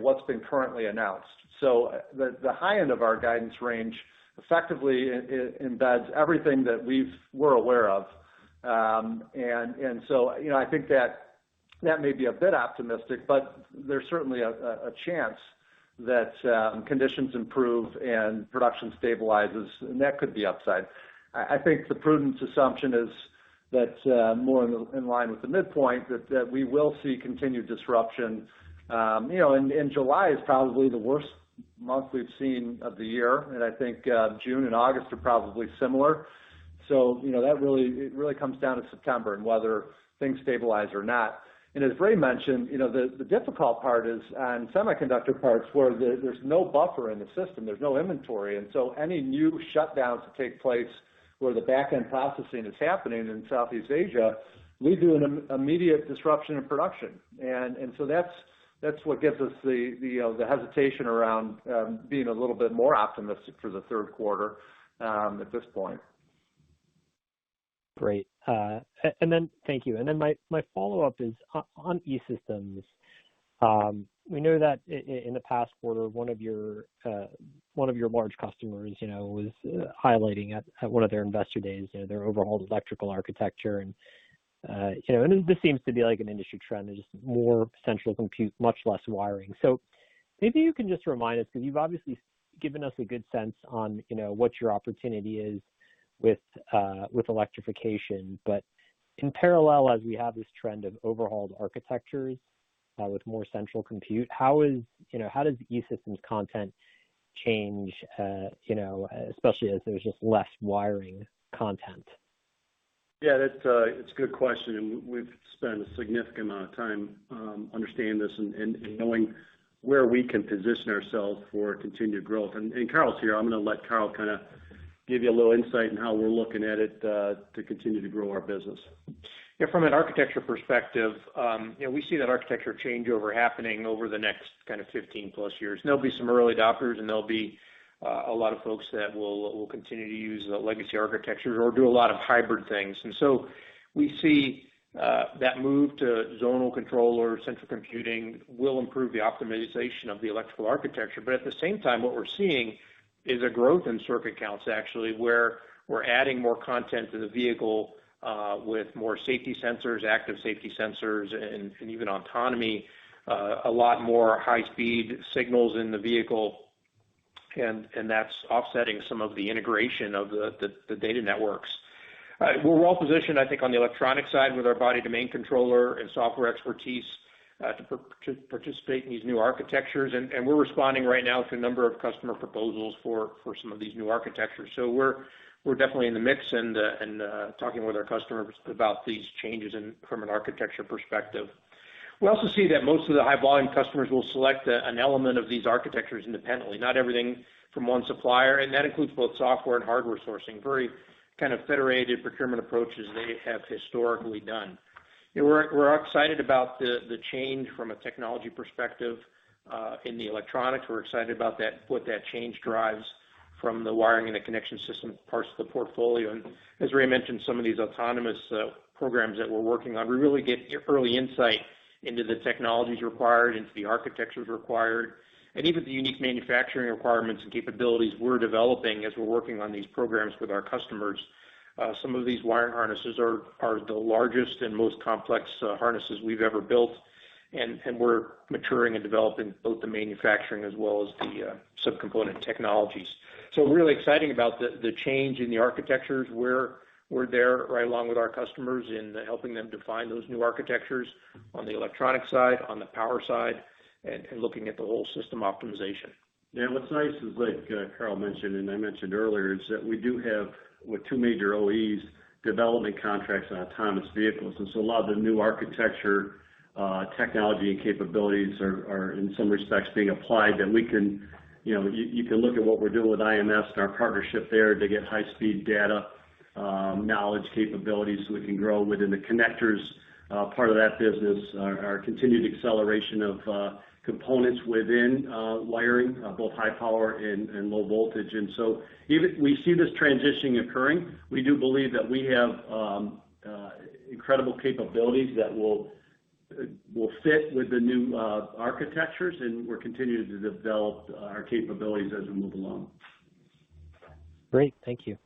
what's been currently announced. The high end of our guidance range effectively embeds everything that we're aware of. I think that may be a bit optimistic, but there's certainly a chance that conditions improve and production stabilizes, and that could be upside. I think the prudence assumption is that more in line with the midpoint that we will see continued disruption. July is probably the worst month we've seen of the year, and I think June and August are probably similar. It really comes down to September and whether things stabilize or not. As Ray mentioned, the difficult part is on semiconductor parts where there's no buffer in the system, there's no inventory. Any new shutdowns that take place where the back-end processing is happening in Southeast Asia lead to an immediate disruption in production. That's what gives us the hesitation around being a little bit more optimistic for the third quarter at this point. Great. Thank you. My follow-up is on E-Systems. We know that in the past quarter, one of your large customers was highlighting at one of their investor days, their overhauled electrical architecture, and this seems to be like an industry trend. There's just more central compute, much less wiring. Maybe you can just remind us, because you've obviously given us a good sense on what your opportunity is with electrification. In parallel, as we have this trend of overhauled architectures with more central compute, how does E-Systems content change, especially as there's just less wiring content? Yeah. It's a good question, and we've spent a significant amount of time understanding this and knowing where we can position ourselves for continued growth. Carl's here, I'm going to let Carl kind of give you a little insight on how we're looking at it to continue to grow our business. Yeah. From an architecture perspective, we see that architecture changeover happening over the next kind of 15+ years. There'll be some early adopters. There'll be a lot of folks that will continue to use legacy architectures or do a lot of hybrid things. We see that move to zonal control or central computing will improve the optimization of the electrical architecture. At the same time, what we're seeing is a growth in circuit counts, actually, where we're adding more content to the vehicle with more safety sensors, active safety sensors, and even autonomy. A lot more high-speed signals in the vehicle. That's offsetting some of the integration of the data networks. We're well-positioned, I think, on the electronic side with our body domain controller and software expertise to participate in these new architectures. We're responding right now to a number of customer proposals for some of these new architectures. We're definitely in the mix and talking with our customers about these changes from an architecture perspective. We also see that most of the high-volume customers will select an element of these architectures independently, not everything from one supplier, and that includes both software and hardware sourcing. Very kind of federated procurement approaches they have historically done. We're excited about the change from a technology perspective in the electronics. We're excited about what that change drives from the wiring and the connection system parts of the portfolio. As Ray mentioned, some of these autonomous programs that we're working on, we really get early insight into the technologies required, into the architectures required, and even the unique manufacturing requirements and capabilities we're developing as we're working on these programs with our customers. Some of these wiring harnesses are the largest and most complex harnesses we've ever built, and we're maturing and developing both the manufacturing as well as the sub-component technologies. We're really exciting about the change in the architectures. We're there right along with our customers in helping them define those new architectures on the electronic side, on the power side, and looking at the whole system optimization. Yeah. What's nice is that Carl mentioned, and I mentioned earlier, is that we do have, with two major OEs, development contracts on autonomous vehicles. A lot of the new architecture technology and capabilities are in some respects being applied that you can look at what we're doing with IMS and our partnership there to get high-speed data knowledge capabilities so we can grow within the connectors part of that business, our continued acceleration of components within wiring, both high power and low voltage. Even we see this transitioning occurring, we do believe that we have incredible capabilities that will fit with the new architectures, and we're continuing to develop our capabilities as we move along. Great. Thank you.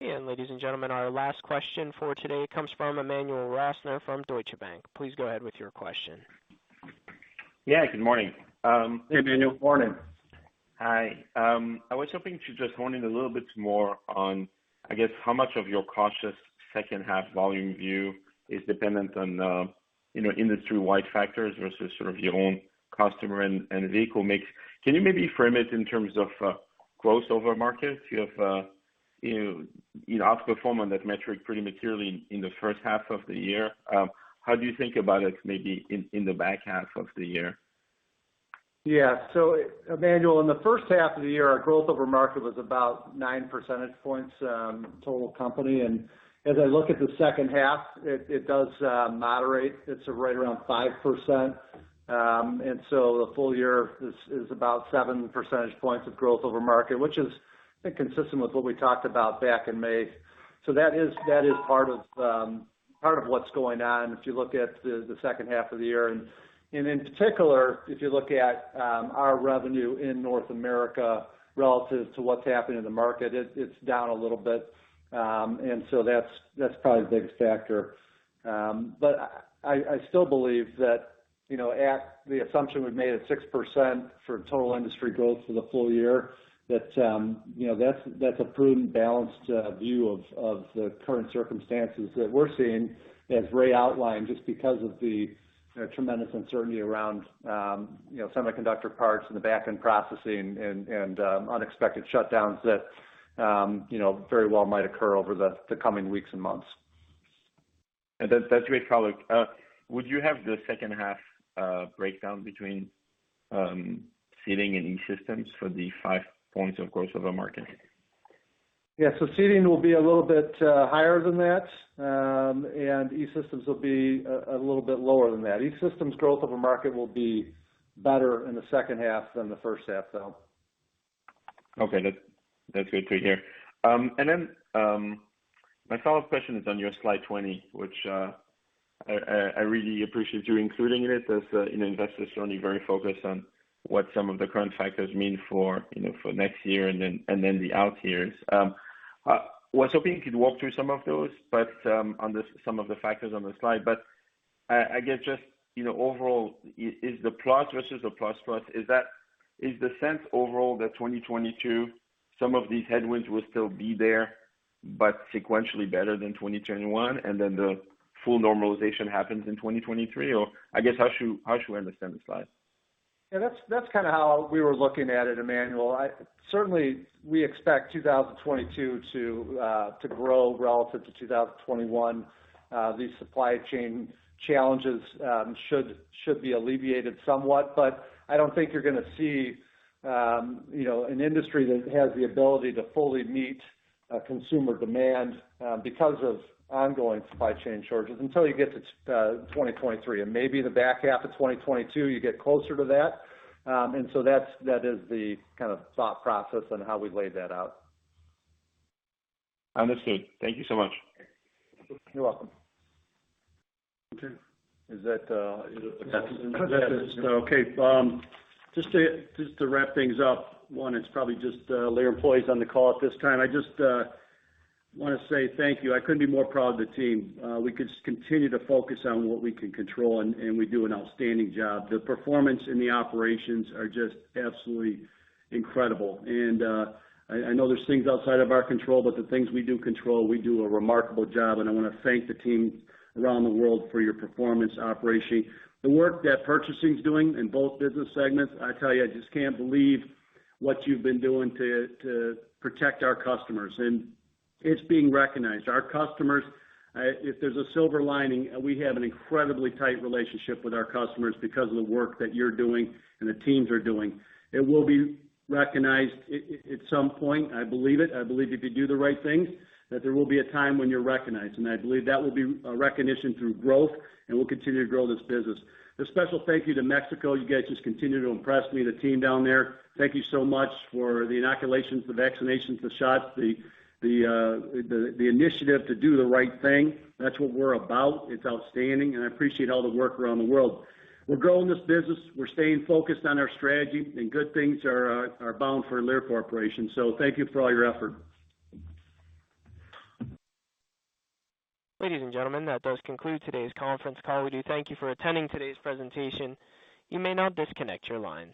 Ladies and gentlemen, our last question for today comes from Emmanuel Rosner from Deutsche Bank. Please go ahead with your question. Yeah. Good morning. Hey, Emmanuel. Morning. Hi. I was hoping to just hone in a little bit more on, I guess, how much of your cautious second half volume view is dependent on industry-wide factors versus sort of your own customer and vehicle mix. Can you maybe frame it in terms of growth over market? You out-performed on that metric pretty materially in the first half of the year. How do you think about it maybe in the back half of the year? Yeah. Emmanuel, in the first half of the year, our growth over market was about nine percentage points total company. As I look at the second half, it does moderate. It's right around 5%. The full year is about seven percentage points of growth over market, which is, I think, consistent with what we talked about back in May. That is part of what's going on if you look at the second half of the year. In particular, if you look at our revenue in North America relative to what's happening in the market, it's down a little bit. That's probably the biggest factor. I still believe that at the assumption we've made at 6% for total industry growth for the full year, that's a prudent, balanced view of the current circumstances that we're seeing, as Ray outlined, just because of the tremendous uncertainty around semiconductor parts and the back-end processing and unexpected shutdowns that very well might occur over the coming weeks and months. That's great color. Would you have the second half breakdown between Seating and E-Systems for the five points of growth of the market? Yeah. Seating will be a little bit higher than that, and E-Systems will be a little bit lower than that. E-Systems growth of a market will be better in the second half than the first half, though. Okay. That's good to hear. My follow-up question is on your slide 20, which I really appreciate you including it, as an investor certainly very focused on what some of the current factors mean for next year and then the out years. I was hoping you could walk through some of those, but on some of the factors on the slide. I guess just overall is the plus versus the plus plus, is the sense overall that 2022, some of these headwinds will still be there, but sequentially better than 2021, and then the full normalization happens in 2023? I guess, how should we understand the slide? Yeah, that's kind of how we were looking at it, Emmanuel. Certainly, we expect 2022 to grow relative to 2021. These supply chain challenges should be alleviated somewhat, but I don't think you're going to see an industry that has the ability to fully meet consumer demand because of ongoing supply chain shortages until you get to 2023. Maybe the back half of 2022, you get closer to that. That is the kind of thought process on how we laid that out. Understood. Thank you so much. You're welcome. Okay. Yes. Okay. Just to wrap things up. One, it's probably just Lear employees on the call at this time. I just want to say thank you. I couldn't be more proud of the team. We could just continue to focus on what we can control, and we do an outstanding job. The performance and the operations are just absolutely incredible. I know there's things outside of our control, but the things we do control, we do a remarkable job, and I want to thank the team around the world for your performance operation. The work that purchasing's doing in both business segments, I tell you, I just can't believe what you've been doing to protect our customers. It's being recognized. Our customers, if there's a silver lining, we have an incredibly tight relationship with our customers because of the work that you're doing and the teams are doing. It will be recognized at some point, I believe it. I believe if you do the right things, that there will be a time when you're recognized. I believe that will be a recognition through growth, and we'll continue to grow this business. A special thank you to Mexico. You guys just continue to impress me, the team down there. Thank you so much for the inoculations, the vaccinations, the shots, the initiative to do the right thing. That's what we're about. It's outstanding, and I appreciate all the work around the world. We're growing this business. We're staying focused on our strategy, and good things are bound for Lear Corporation. Thank you for all your effort. Ladies and gentlemen, that does conclude today's conference call. We do thank you for attending today's presentation. You may now disconnect your lines.